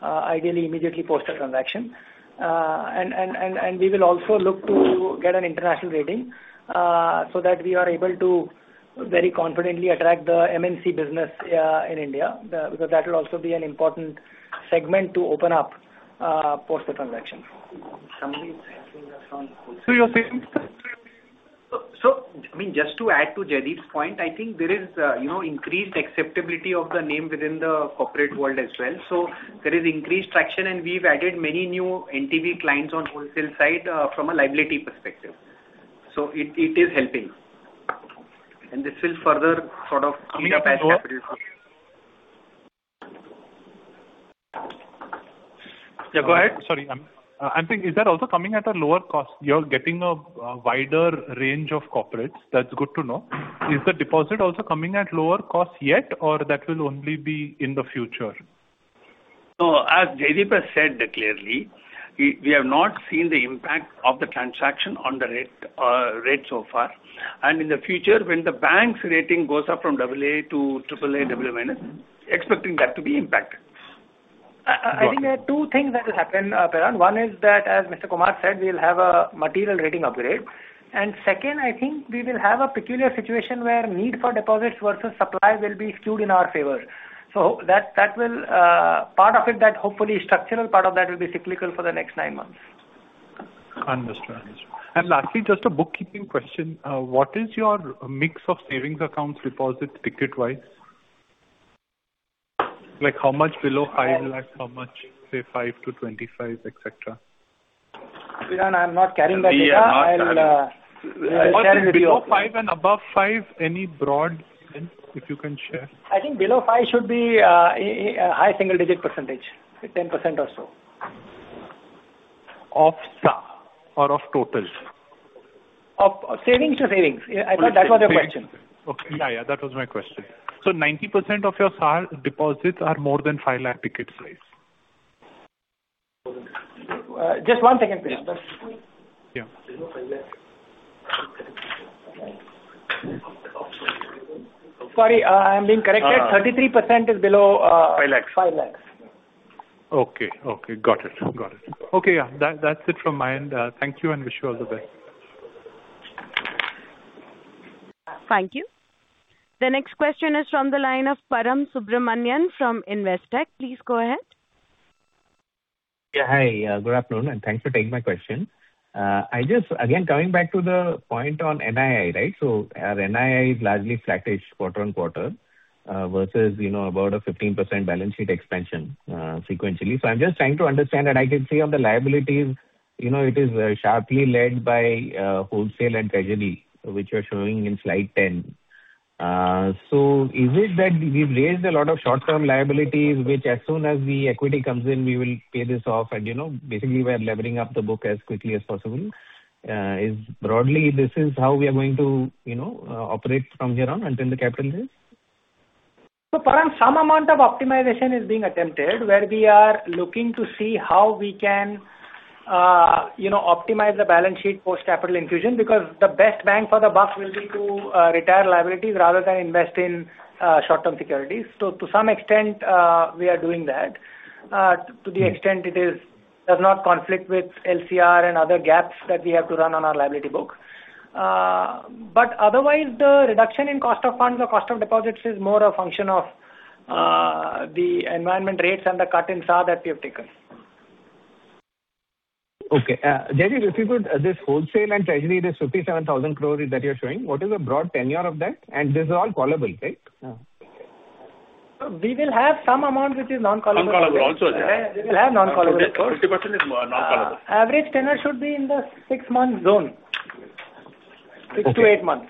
Speaker 3: ideally immediately post the transaction. We will also look to get an international rating, so that we are able to very confidently attract the MNC business in India, because that will also be an important segment to open up post the transaction.
Speaker 9: Samrat, I think that's on the wholesale side.
Speaker 3: You're saying.
Speaker 8: I mean, just to add to Jaideep's point, I think there is, you know, increased acceptability of the name within the corporate world as well. There is increased traction, and we've added many new NTB clients on wholesale side, from a liability perspective. It is helping.
Speaker 9: This will further sort of.
Speaker 8: Yeah, go ahead.
Speaker 9: Sorry. I'm thinking, is that also coming at a lower cost? You're getting a wider range of corporates. That's good to know. Is the deposit also coming at lower cost yet, or that will only be in the future?
Speaker 2: As Jaideep has said clearly, we have not seen the impact of the transaction on the rate so far. In the future, when the bank's rating goes up from AA to AAA-, expecting that to be impacted.
Speaker 3: I think there are two things that will happen, Piran. One is that, as Mr. Kumar said, we'll have a material rating upgrade. Second, I think we will have a peculiar situation where need for deposits versus supply will be skewed in our favor. That will, part of it that hopefully structural part of that will be cyclical for the next nine months.
Speaker 9: Understood. Lastly, just a bookkeeping question. What is your mix of savings accounts deposits ticket-wise? Like, how much below 5 lakhs, how much, say, 5-25 lakhs, et cetera?
Speaker 3: Piran, I'm not carrying that data. I will share with you.
Speaker 9: Below 5 lakhs and above 5 lakhs, any broad range if you can share?
Speaker 3: I think below 5 lakhs should be a high single-digit percentage. 10% or so.
Speaker 9: Of SAR or of total?
Speaker 3: Of savings to savings. I thought that was your question.
Speaker 9: Okay. Yeah, yeah. That was my question. 90% of your SA deposits are more than 5 lakh ticket size.
Speaker 3: Just one second, please.
Speaker 9: Yeah.
Speaker 3: Sorry, I'm being corrected. 33% is below 5 lakhs.
Speaker 9: Okay. Got it. Yeah. That's it from my end. Thank you and I wish you all the best.
Speaker 1: Thank you. The next question is from the line of Param Subramanian from Investec. Please go ahead.
Speaker 10: Yeah. Hi. Good afternoon, and thanks for taking my question. I just again coming back to the point on NII, right? Our NII is largely flattish quarter-on-quarter, versus, you know, about a 15% balance sheet expansion, sequentially. I'm just trying to understand, and I can see on the liabilities, you know, it is sharply led by, wholesale and treasury, which are showing in slide 10. Is it that we've raised a lot of short-term liabilities, which as soon as the equity comes in, we will pay this off and, you know, basically we're levering up the book as quickly as possible? Is broadly this how we are going to, you know, operate from here on until the capital raise?
Speaker 3: Param, some amount of optimization is being attempted where we are looking to see how we can, you know, optimize the balance sheet post capital infusion because the best bang for the buck will be to retire liabilities rather than invest in short-term securities. To some extent, we are doing that. To the extent it does not conflict with LCR and other gaps that we have to run on our liability book. But otherwise the reduction in cost of funds or cost of deposits is more a function of the environment rates and the cut in SAR that we have taken.
Speaker 10: Okay. Jaideep, if you could, this wholesale and treasury, this 57,000 crore that you're showing, what is the broad tenure of that? These are all callable, right?
Speaker 3: We will have some amount which is non-callable.
Speaker 2: Non-callable also.
Speaker 3: We'll have non-callable.
Speaker 2: 50% is non-callable.
Speaker 3: Average tenure should be in the six month zone. 6-8 months.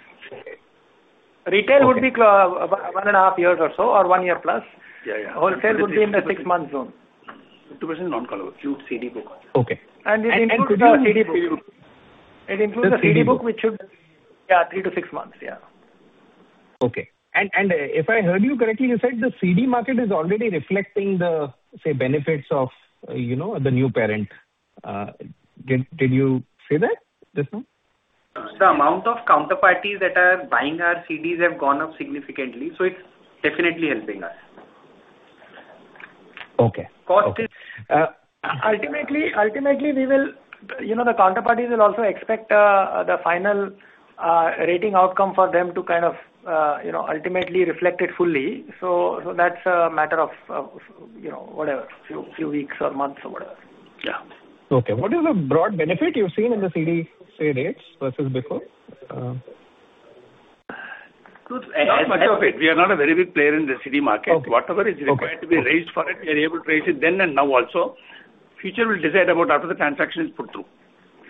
Speaker 3: Retail would be 1.5 years or so or +1 year.
Speaker 2: Yeah, yeah.
Speaker 3: Wholesale would be in the six-month zone.
Speaker 2: 50% non-callable. CD book.
Speaker 10: Okay.
Speaker 3: It includes the CD book, which should, yeah, 3-6 months. Yeah.
Speaker 10: Okay. If I heard you correctly, you said the CD market is already reflecting the, say, benefits of, you know, the new parent. Did you say that just now?
Speaker 2: The amount of counterparties that are buying our CDs have gone up significantly, so it's definitely helping us.
Speaker 10: Okay. Okay.
Speaker 3: Ultimately, we will, you know, the counterparties will also expect the final rating outcome for them to kind of, you know, ultimately reflect it fully. That's a matter of, you know, whatever, few weeks or months or whatever. Yeah.
Speaker 10: Okay. What is the broad benefit you've seen in the CD, say, rates versus before?
Speaker 2: Not much of it. We are not a very big player in the CD market.
Speaker 10: Okay.
Speaker 2: Whatever is required to be raised for it, we are able to raise it then and now also. Future will decide about after the transaction is put through.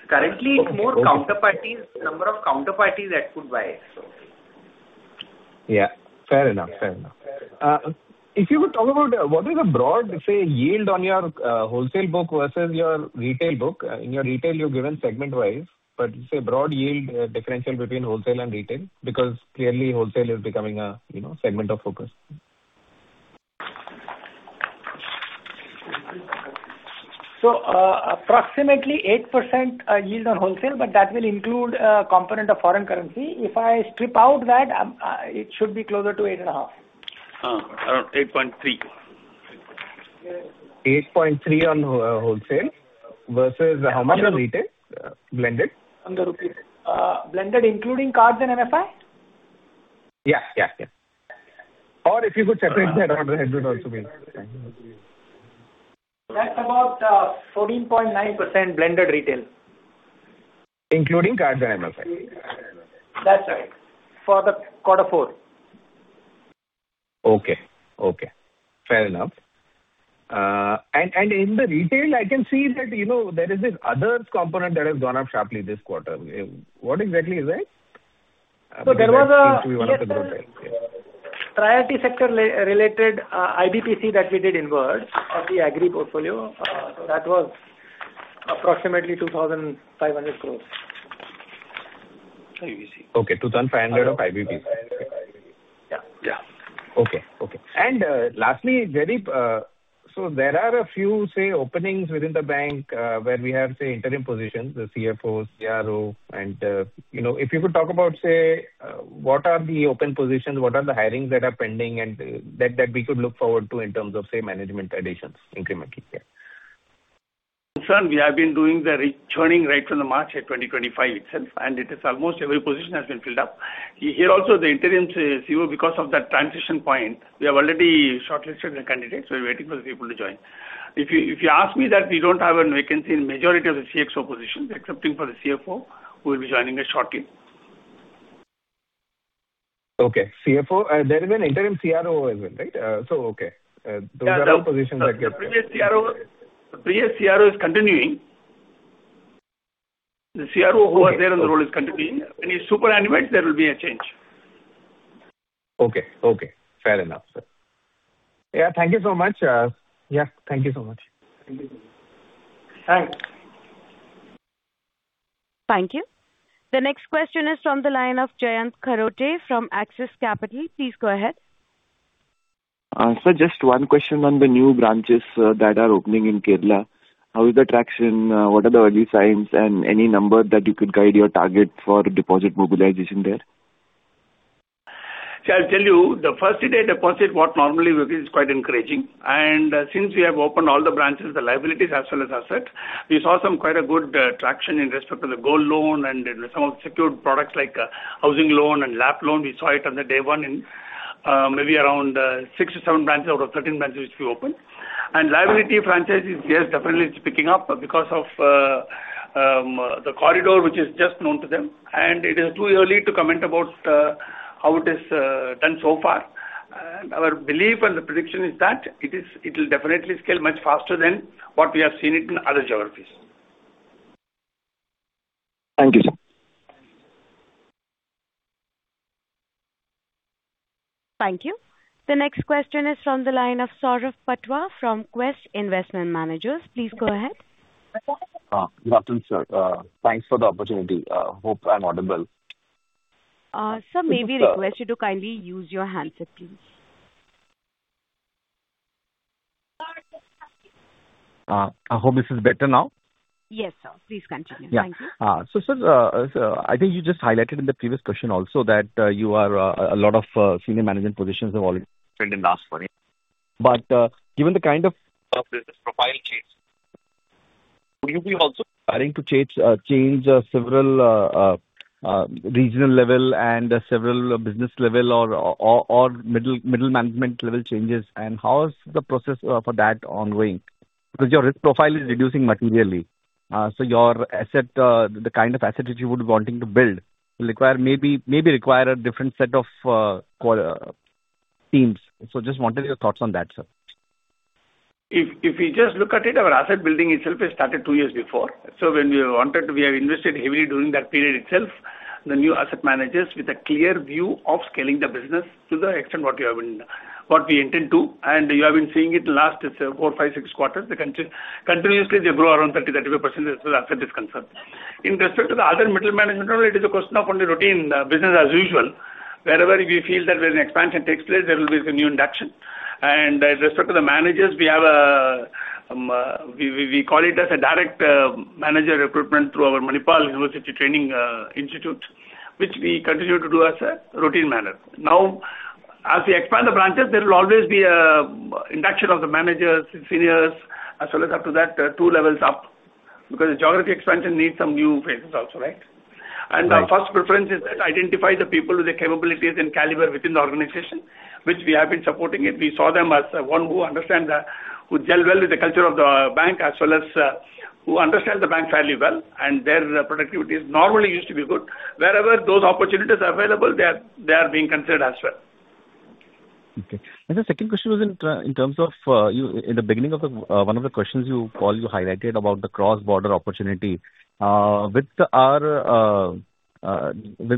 Speaker 3: Currently, it's more counterparties, number of counterparties that could buy it.
Speaker 10: Yeah. Fair enough. If you could talk about what is the broad, say, yield on your wholesale book versus your retail book. In your retail, you've given segment-wise, but say, broad yield differential between wholesale and retail, because clearly wholesale is becoming a, you know, segment of focus.
Speaker 3: Approximately 8% yield on wholesale, but that will include a component of foreign currency. If I strip out that, it should be closer to 8.5%.
Speaker 2: Around 8.3%.
Speaker 10: 8.3% on wholesale versus how much on retail blended?
Speaker 3: On the rupees. Blended including cards and MFI?
Speaker 10: Yeah, yeah. If you could separate that out, that would also be interesting.
Speaker 3: That's about 14.9% blended retail.
Speaker 10: Including cards and MFI.
Speaker 3: That's right. For the quarter four.
Speaker 10: Okay. Fair enough. In the retail, I can see that, you know, there is this other component that has gone up sharply this quarter. What exactly is that?
Speaker 3: So there was a-
Speaker 10: It seems to be one of the growth areas. Yeah.
Speaker 3: Priority Sector related IBPC that we did inversion of the agri portfolio, that was approximately 2,500 crores.
Speaker 10: Okay. 2,500 of IBPC.
Speaker 3: Yeah.
Speaker 10: Okay. Lastly, Jaideep, there are a few, say, openings within the bank, where we have, say, interim positions, the CFOs, CRO, and, you know, if you could talk about, say, what are the open positions, what are the hirings that are pending and that we could look forward to in terms of, say, management additions incrementally? Yeah.
Speaker 2: We have been doing the re-churning right from March 2025 itself, and it is almost every position has been filled up. Here also, the interim CEO, because of that transition point, we have already shortlisted the candidates. We are waiting for the people to join. If you ask me that we don't have a vacancy in majority of the CXO positions excepting for the CFO, who will be joining us shortly.
Speaker 10: Okay. CFO. There is an interim CRO as well, right? Okay. Those are all positions that
Speaker 2: The previous CRO is continuing. The CRO who was there in the role is continuing. When he superannuates, there will be a change.
Speaker 10: Okay. Fair enough, sir. Yeah. Thank you so much. Yeah. Thank you so much.
Speaker 2: Thanks.
Speaker 1: Thank you. The next question is from the line of Jayant Kharote from Axis Capital. Please go ahead.
Speaker 11: Sir, just one question on the new branches that are opening in Kerala. How is the traction? What are the early signs and any number that you could guide your target for deposit mobilization there?
Speaker 2: I'll tell you, the first day deposit what normally we get is quite encouraging. Since we have opened all the branches, the liabilities as well as assets, we saw some quite good traction in respect to the gold loan and some of the secured products like housing loan and LAP loan. We saw it on day one in maybe around 6-7 branches out of 13 branches which we opened. Liability franchise is, yes, definitely it's picking up because of the corridor which is just known to them, and it is too early to comment about how it is done so far. Our belief and the prediction is that it'll definitely scale much faster than what we have seen it in other geographies.
Speaker 11: Thank you, sir.
Speaker 1: Thank you. The next question is from the line of Saurabh Patwa from Quest Investment Managers. Please go ahead.
Speaker 12: Good afternoon, sir. Thanks for the opportunity. Hope I'm audible.
Speaker 1: Uh, sir, may we request you to kindly use your handset, please.
Speaker 12: I hope this is better now.
Speaker 1: Yes, sir. Please continue. Thank you.
Speaker 12: Yeah. So sir, so I think you just highlighted in the previous question also that a lot of senior management positions have already been filled in last quarter. Given the kind of business profile change, will you be also planning to change several regional level and several business level or middle management level changes? And how is the process for that ongoing? Because your risk profile is reducing materially. Your asset, the kind of asset which you would be wanting to build will require maybe require a different set of teams. Just wanted your thoughts on that, sir.
Speaker 2: If you just look at it, our asset building itself has started two years before. When we wanted to, we have invested heavily during that period itself, the new asset managers with a clear view of scaling the business to the extent what you have been, what we intend to. You have been seeing it last four, five, six quarters. Continuously they grow around 30%-35% as far as asset is concerned. In respect to the other middle management role, it is a question of only routine business as usual. Wherever we feel that when an expansion takes place, there will be a new induction. With respect to the managers, we call it as a direct manager recruitment through our Manipal University training institute, which we continue to do as a routine manner. Now, as we expand the branches, there will always be a induction of the managers and seniors, as well as after that, two levels up, because the geography expansion needs some new faces also, right?
Speaker 12: Right.
Speaker 2: Our first preference is that identify the people with the capabilities and caliber within the organization, which we have been supporting it. We saw them as one who understand the, who gel well with the culture of the bank as well as, who understand the bank fairly well, and their productivity is normally used to be good. Wherever those opportunities are available, they are being considered as well.
Speaker 12: Okay. The second question was in terms of in the beginning of one of the questions you called, you highlighted about the cross-border opportunity with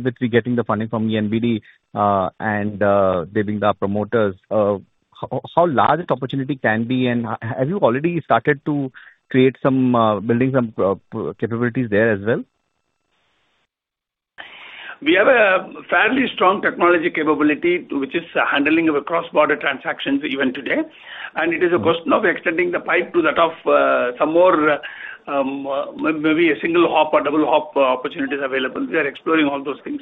Speaker 12: which we're getting the funding from ENBD and they being our promoters, how large this opportunity can be and have you already started to build some capabilities there as well?
Speaker 2: We have a fairly strong technology capability which is handling our cross-border transactions even today. It is a question of extending the pipe to that of some more maybe a single hop or double hop opportunities available. We are exploring all those things.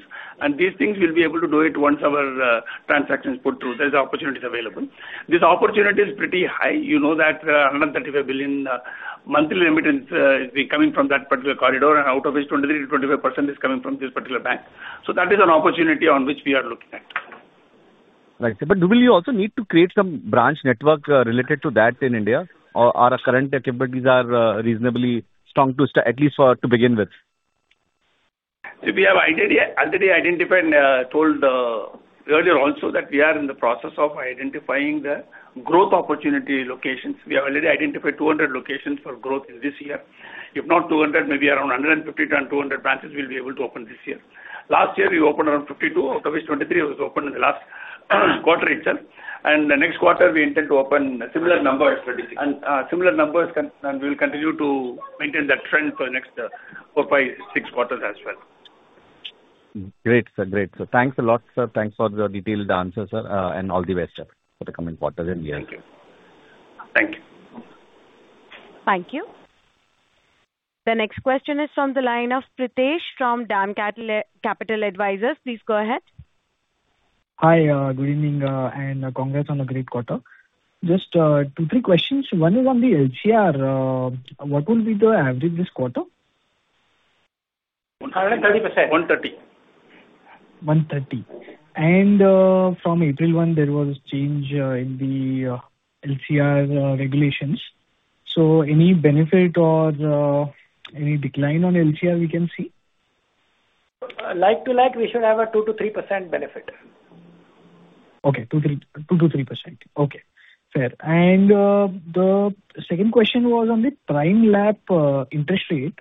Speaker 2: These things we'll be able to do it once our transaction is put through. There is opportunities available. This opportunity is pretty high. You know that $135 billion monthly remittance is coming from that particular corridor, and out of which 23%-25% is coming from this particular bank. That is an opportunity on which we are looking at.
Speaker 12: Right. Do you also need to create some branch network related to that in India or our current capabilities are reasonably strong to at least for to begin with?
Speaker 2: Already identified and told earlier also that we are in the process of identifying the growth opportunity locations. We have already identified 200 locations for growth this year. If not 200, maybe around 150-200 branches we'll be able to open this year. Last year, we opened around 52, out of which 23 was opened in the last quarter itself. The next quarter we intend to open similar numbers.
Speaker 3: Similar numbers and we'll continue to maintain that trend for next four, five, six quarters as well.
Speaker 12: Great, sir. Great. Thanks a lot, sir. Thanks for the detailed answer, sir, and all the best for the coming quarters and years.
Speaker 2: Thank you.
Speaker 12: Thank you.
Speaker 1: Thank you. The next question is from the line of Pritesh from DAM Capital Advisors. Please go ahead.
Speaker 13: Hi, good evening, and congrats on a great quarter. Just two, three questions. One is on the LCR. What will be the average this quarter?
Speaker 3: 130% percent.
Speaker 2: 130%.
Speaker 13: 130%. From April 1, there was change in the LCR regulations. Any benefit or any decline on LCR we can see?
Speaker 3: Like to like, we should have a 2%-3% benefit.
Speaker 13: Okay, 2%-3%. Okay, fair. The second question was on the Prime LAP interest rate.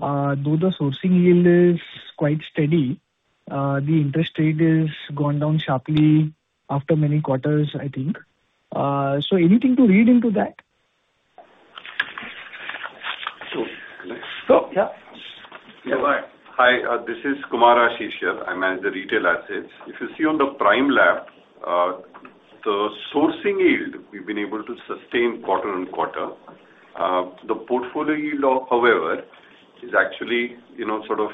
Speaker 13: Though the sourcing yield is quite steady, the interest rate is gone down sharply after many quarters, I think. So anything to read into that?
Speaker 14: So-
Speaker 13: Yeah.
Speaker 14: Hi. This is Kumar Ashish here. I manage the retail assets. If you see on the Prime LAP, the sourcing yield, we've been able to sustain quarter-on-quarter. The portfolio yield, however, is actually, you know, sort of,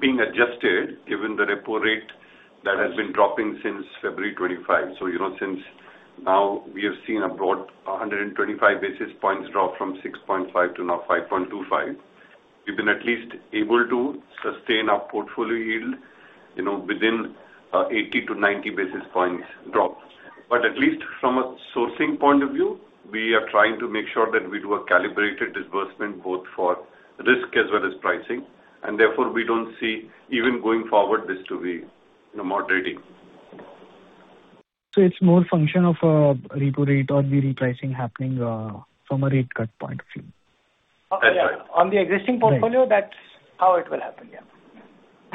Speaker 14: being adjusted given the repo rate that has been dropping since February 2025. Since now we have seen about 125 basis points drop from 6.5 to now 5.25. We've been at least able to sustain our portfolio yield, you know, within 80-90 basis points drop. But at least from a sourcing point of view, we are trying to make sure that we do a calibrated disbursement both for risk as well as pricing, and therefore we don't see even going forward this to be, you know, moderating.
Speaker 13: It's more function of, repo rate or the repricing happening, from a rate cut point of view?
Speaker 3: On the existing portfolio.
Speaker 13: Right.
Speaker 3: That's how it will happen, yeah.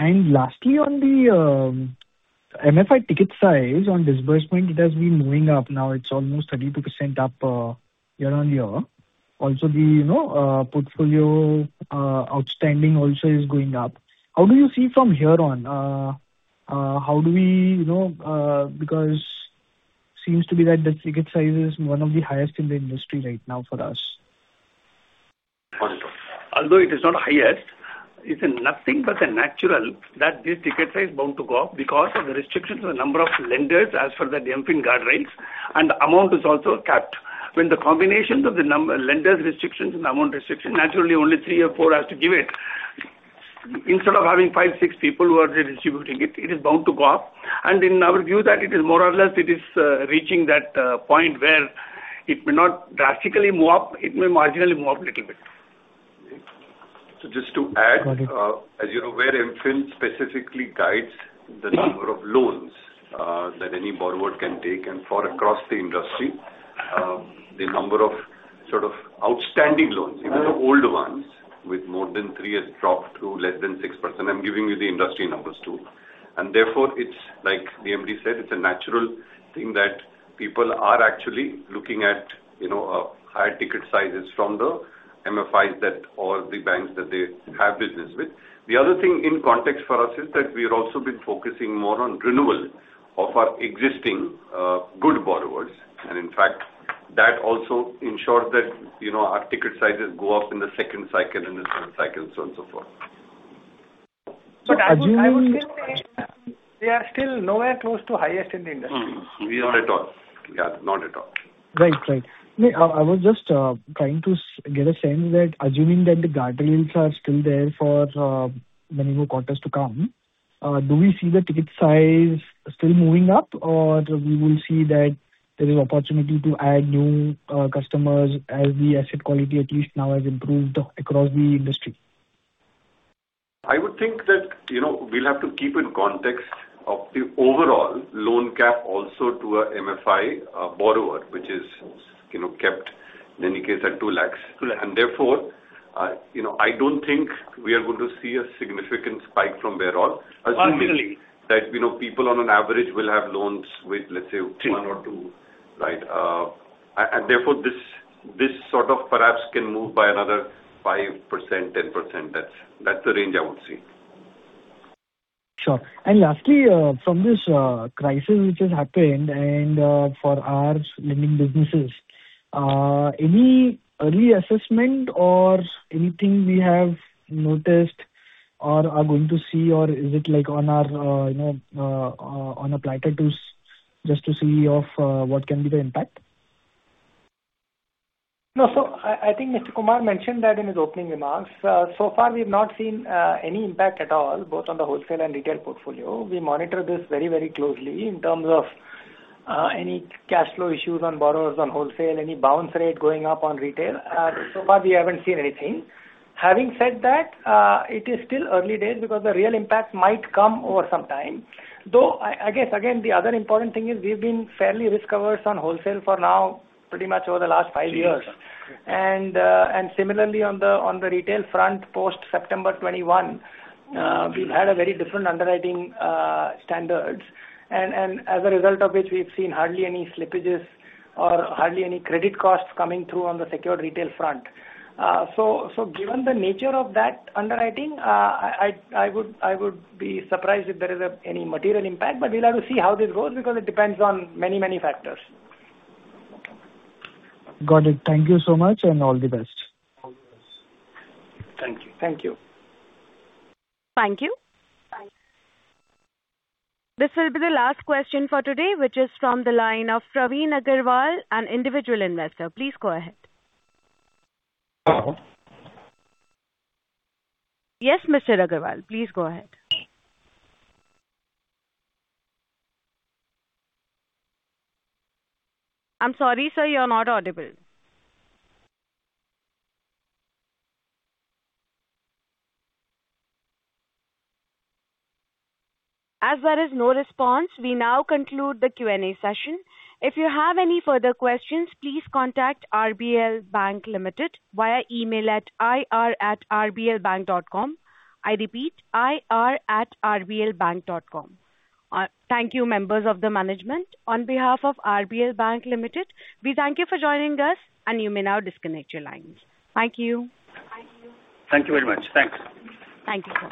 Speaker 13: Lastly, on the MFI ticket size on disbursement, it has been moving up. Now it's almost 32% up year-on-year. Also, you know, the portfolio outstanding also is going up. How do you see from here on? You know, because it seems to be that the ticket size is one of the highest in the industry right now for us.
Speaker 2: Although it is not highest, it's nothing but natural that this ticket size is bound to go up because of the restrictions on number of lenders as per the MFIN guardrails and amount is also capped. When the combinations of the number-lender restrictions and amount restrictions, naturally only three or four has to give it. Instead of having five, six people who are distributing it is bound to go up. In our view that it is more or less reaching that point where it may not drastically move up, it may marginally move up a little bit.
Speaker 14: Just to add.
Speaker 13: Got it.
Speaker 14: As you're aware, MFIN specifically guides the number of loans that any borrower can take. For across the industry, the number of sort of outstanding loans, even the old ones with more than three has dropped to less than 6%. I'm giving you the industry numbers too. Therefore, it's like the MD said, it's a natural thing that people are actually looking at, you know, higher ticket sizes from the MFIs that or the banks that they have business with. The other thing in context for us is that we've also been focusing more on renewal of our existing good borrowers. In fact, that also ensures that, you know, our ticket sizes go up in the second cycle and the third cycle, so on, so forth.
Speaker 13: But assuming-
Speaker 3: I would say we are still nowhere close to highest in the industry.
Speaker 14: We are not at all. Yeah, not at all.
Speaker 13: Right. I was just trying to get a sense that assuming that the guardrails are still there for many more quarters to come, do we see the ticket size still moving up, or we will see that there is opportunity to add new customers as the asset quality at least now has improved across the industry?
Speaker 14: I would think that, you know, we'll have to keep in context of the overall loan cap also to a MFI borrower, which is, you know, capped in any case at 2 lakh.
Speaker 13: INR 2 lakhs.
Speaker 14: Therefore, you know, I don't think we are going to see a significant spike from there on.
Speaker 3: Possibly.
Speaker 14: Assuming that, you know, people on average will have loans with, let's say, one or two.
Speaker 13: Two.
Speaker 14: Right. Therefore this sort of perhaps can move by another 5%-10%. That's the range I would see.
Speaker 13: Sure. Lastly, from this crisis which has happened and for our lending businesses, any early assessment or anything we have noticed or are going to see, or is it like on our, you know, on a platter to just see what can be the impact?
Speaker 3: No. I think Mr. Kumar mentioned that in his opening remarks. So far we've not seen any impact at all, both on the wholesale and retail portfolio. We monitor this very, very closely in terms of any cash flow issues on borrowers on wholesale, any bounce rate going up on retail. So far we haven't seen anything. Having said that, it is still early days because the real impact might come over some time. Though, I guess again, the other important thing is we've been fairly risk-averse on wholesale for now, pretty much over the last five years.
Speaker 13: Correct.
Speaker 3: Similarly on the retail front, post-September 2021, we've had a very different underwriting standards. As a result of which we've seen hardly any slippages or hardly any credit costs coming through on the secured retail front. Given the nature of that underwriting, I would be surprised if there is any material impact, but we'll have to see how this goes because it depends on many factors.
Speaker 13: Got it. Thank you so much and all the best.
Speaker 2: Thank you.
Speaker 14: Thank you.
Speaker 1: Thank you. This will be the last question for today, which is from the line of Praveen Agarwal, an individual investor. Please go ahead. Yes, Mr. Agarwal, please go ahead. I'm sorry, sir, you're not audible. As there is no response, we now conclude the Q&A session. If you have any further questions, please contact RBL Bank Limited via email at ir@rblbank.com. I repeat, ir@rblbank.com. Thank you, members of the management. On behalf of RBL Bank Limited, we thank you for joining us and you may now disconnect your lines. Thank you.
Speaker 2: Thank you very much. Thanks.
Speaker 1: Thank you.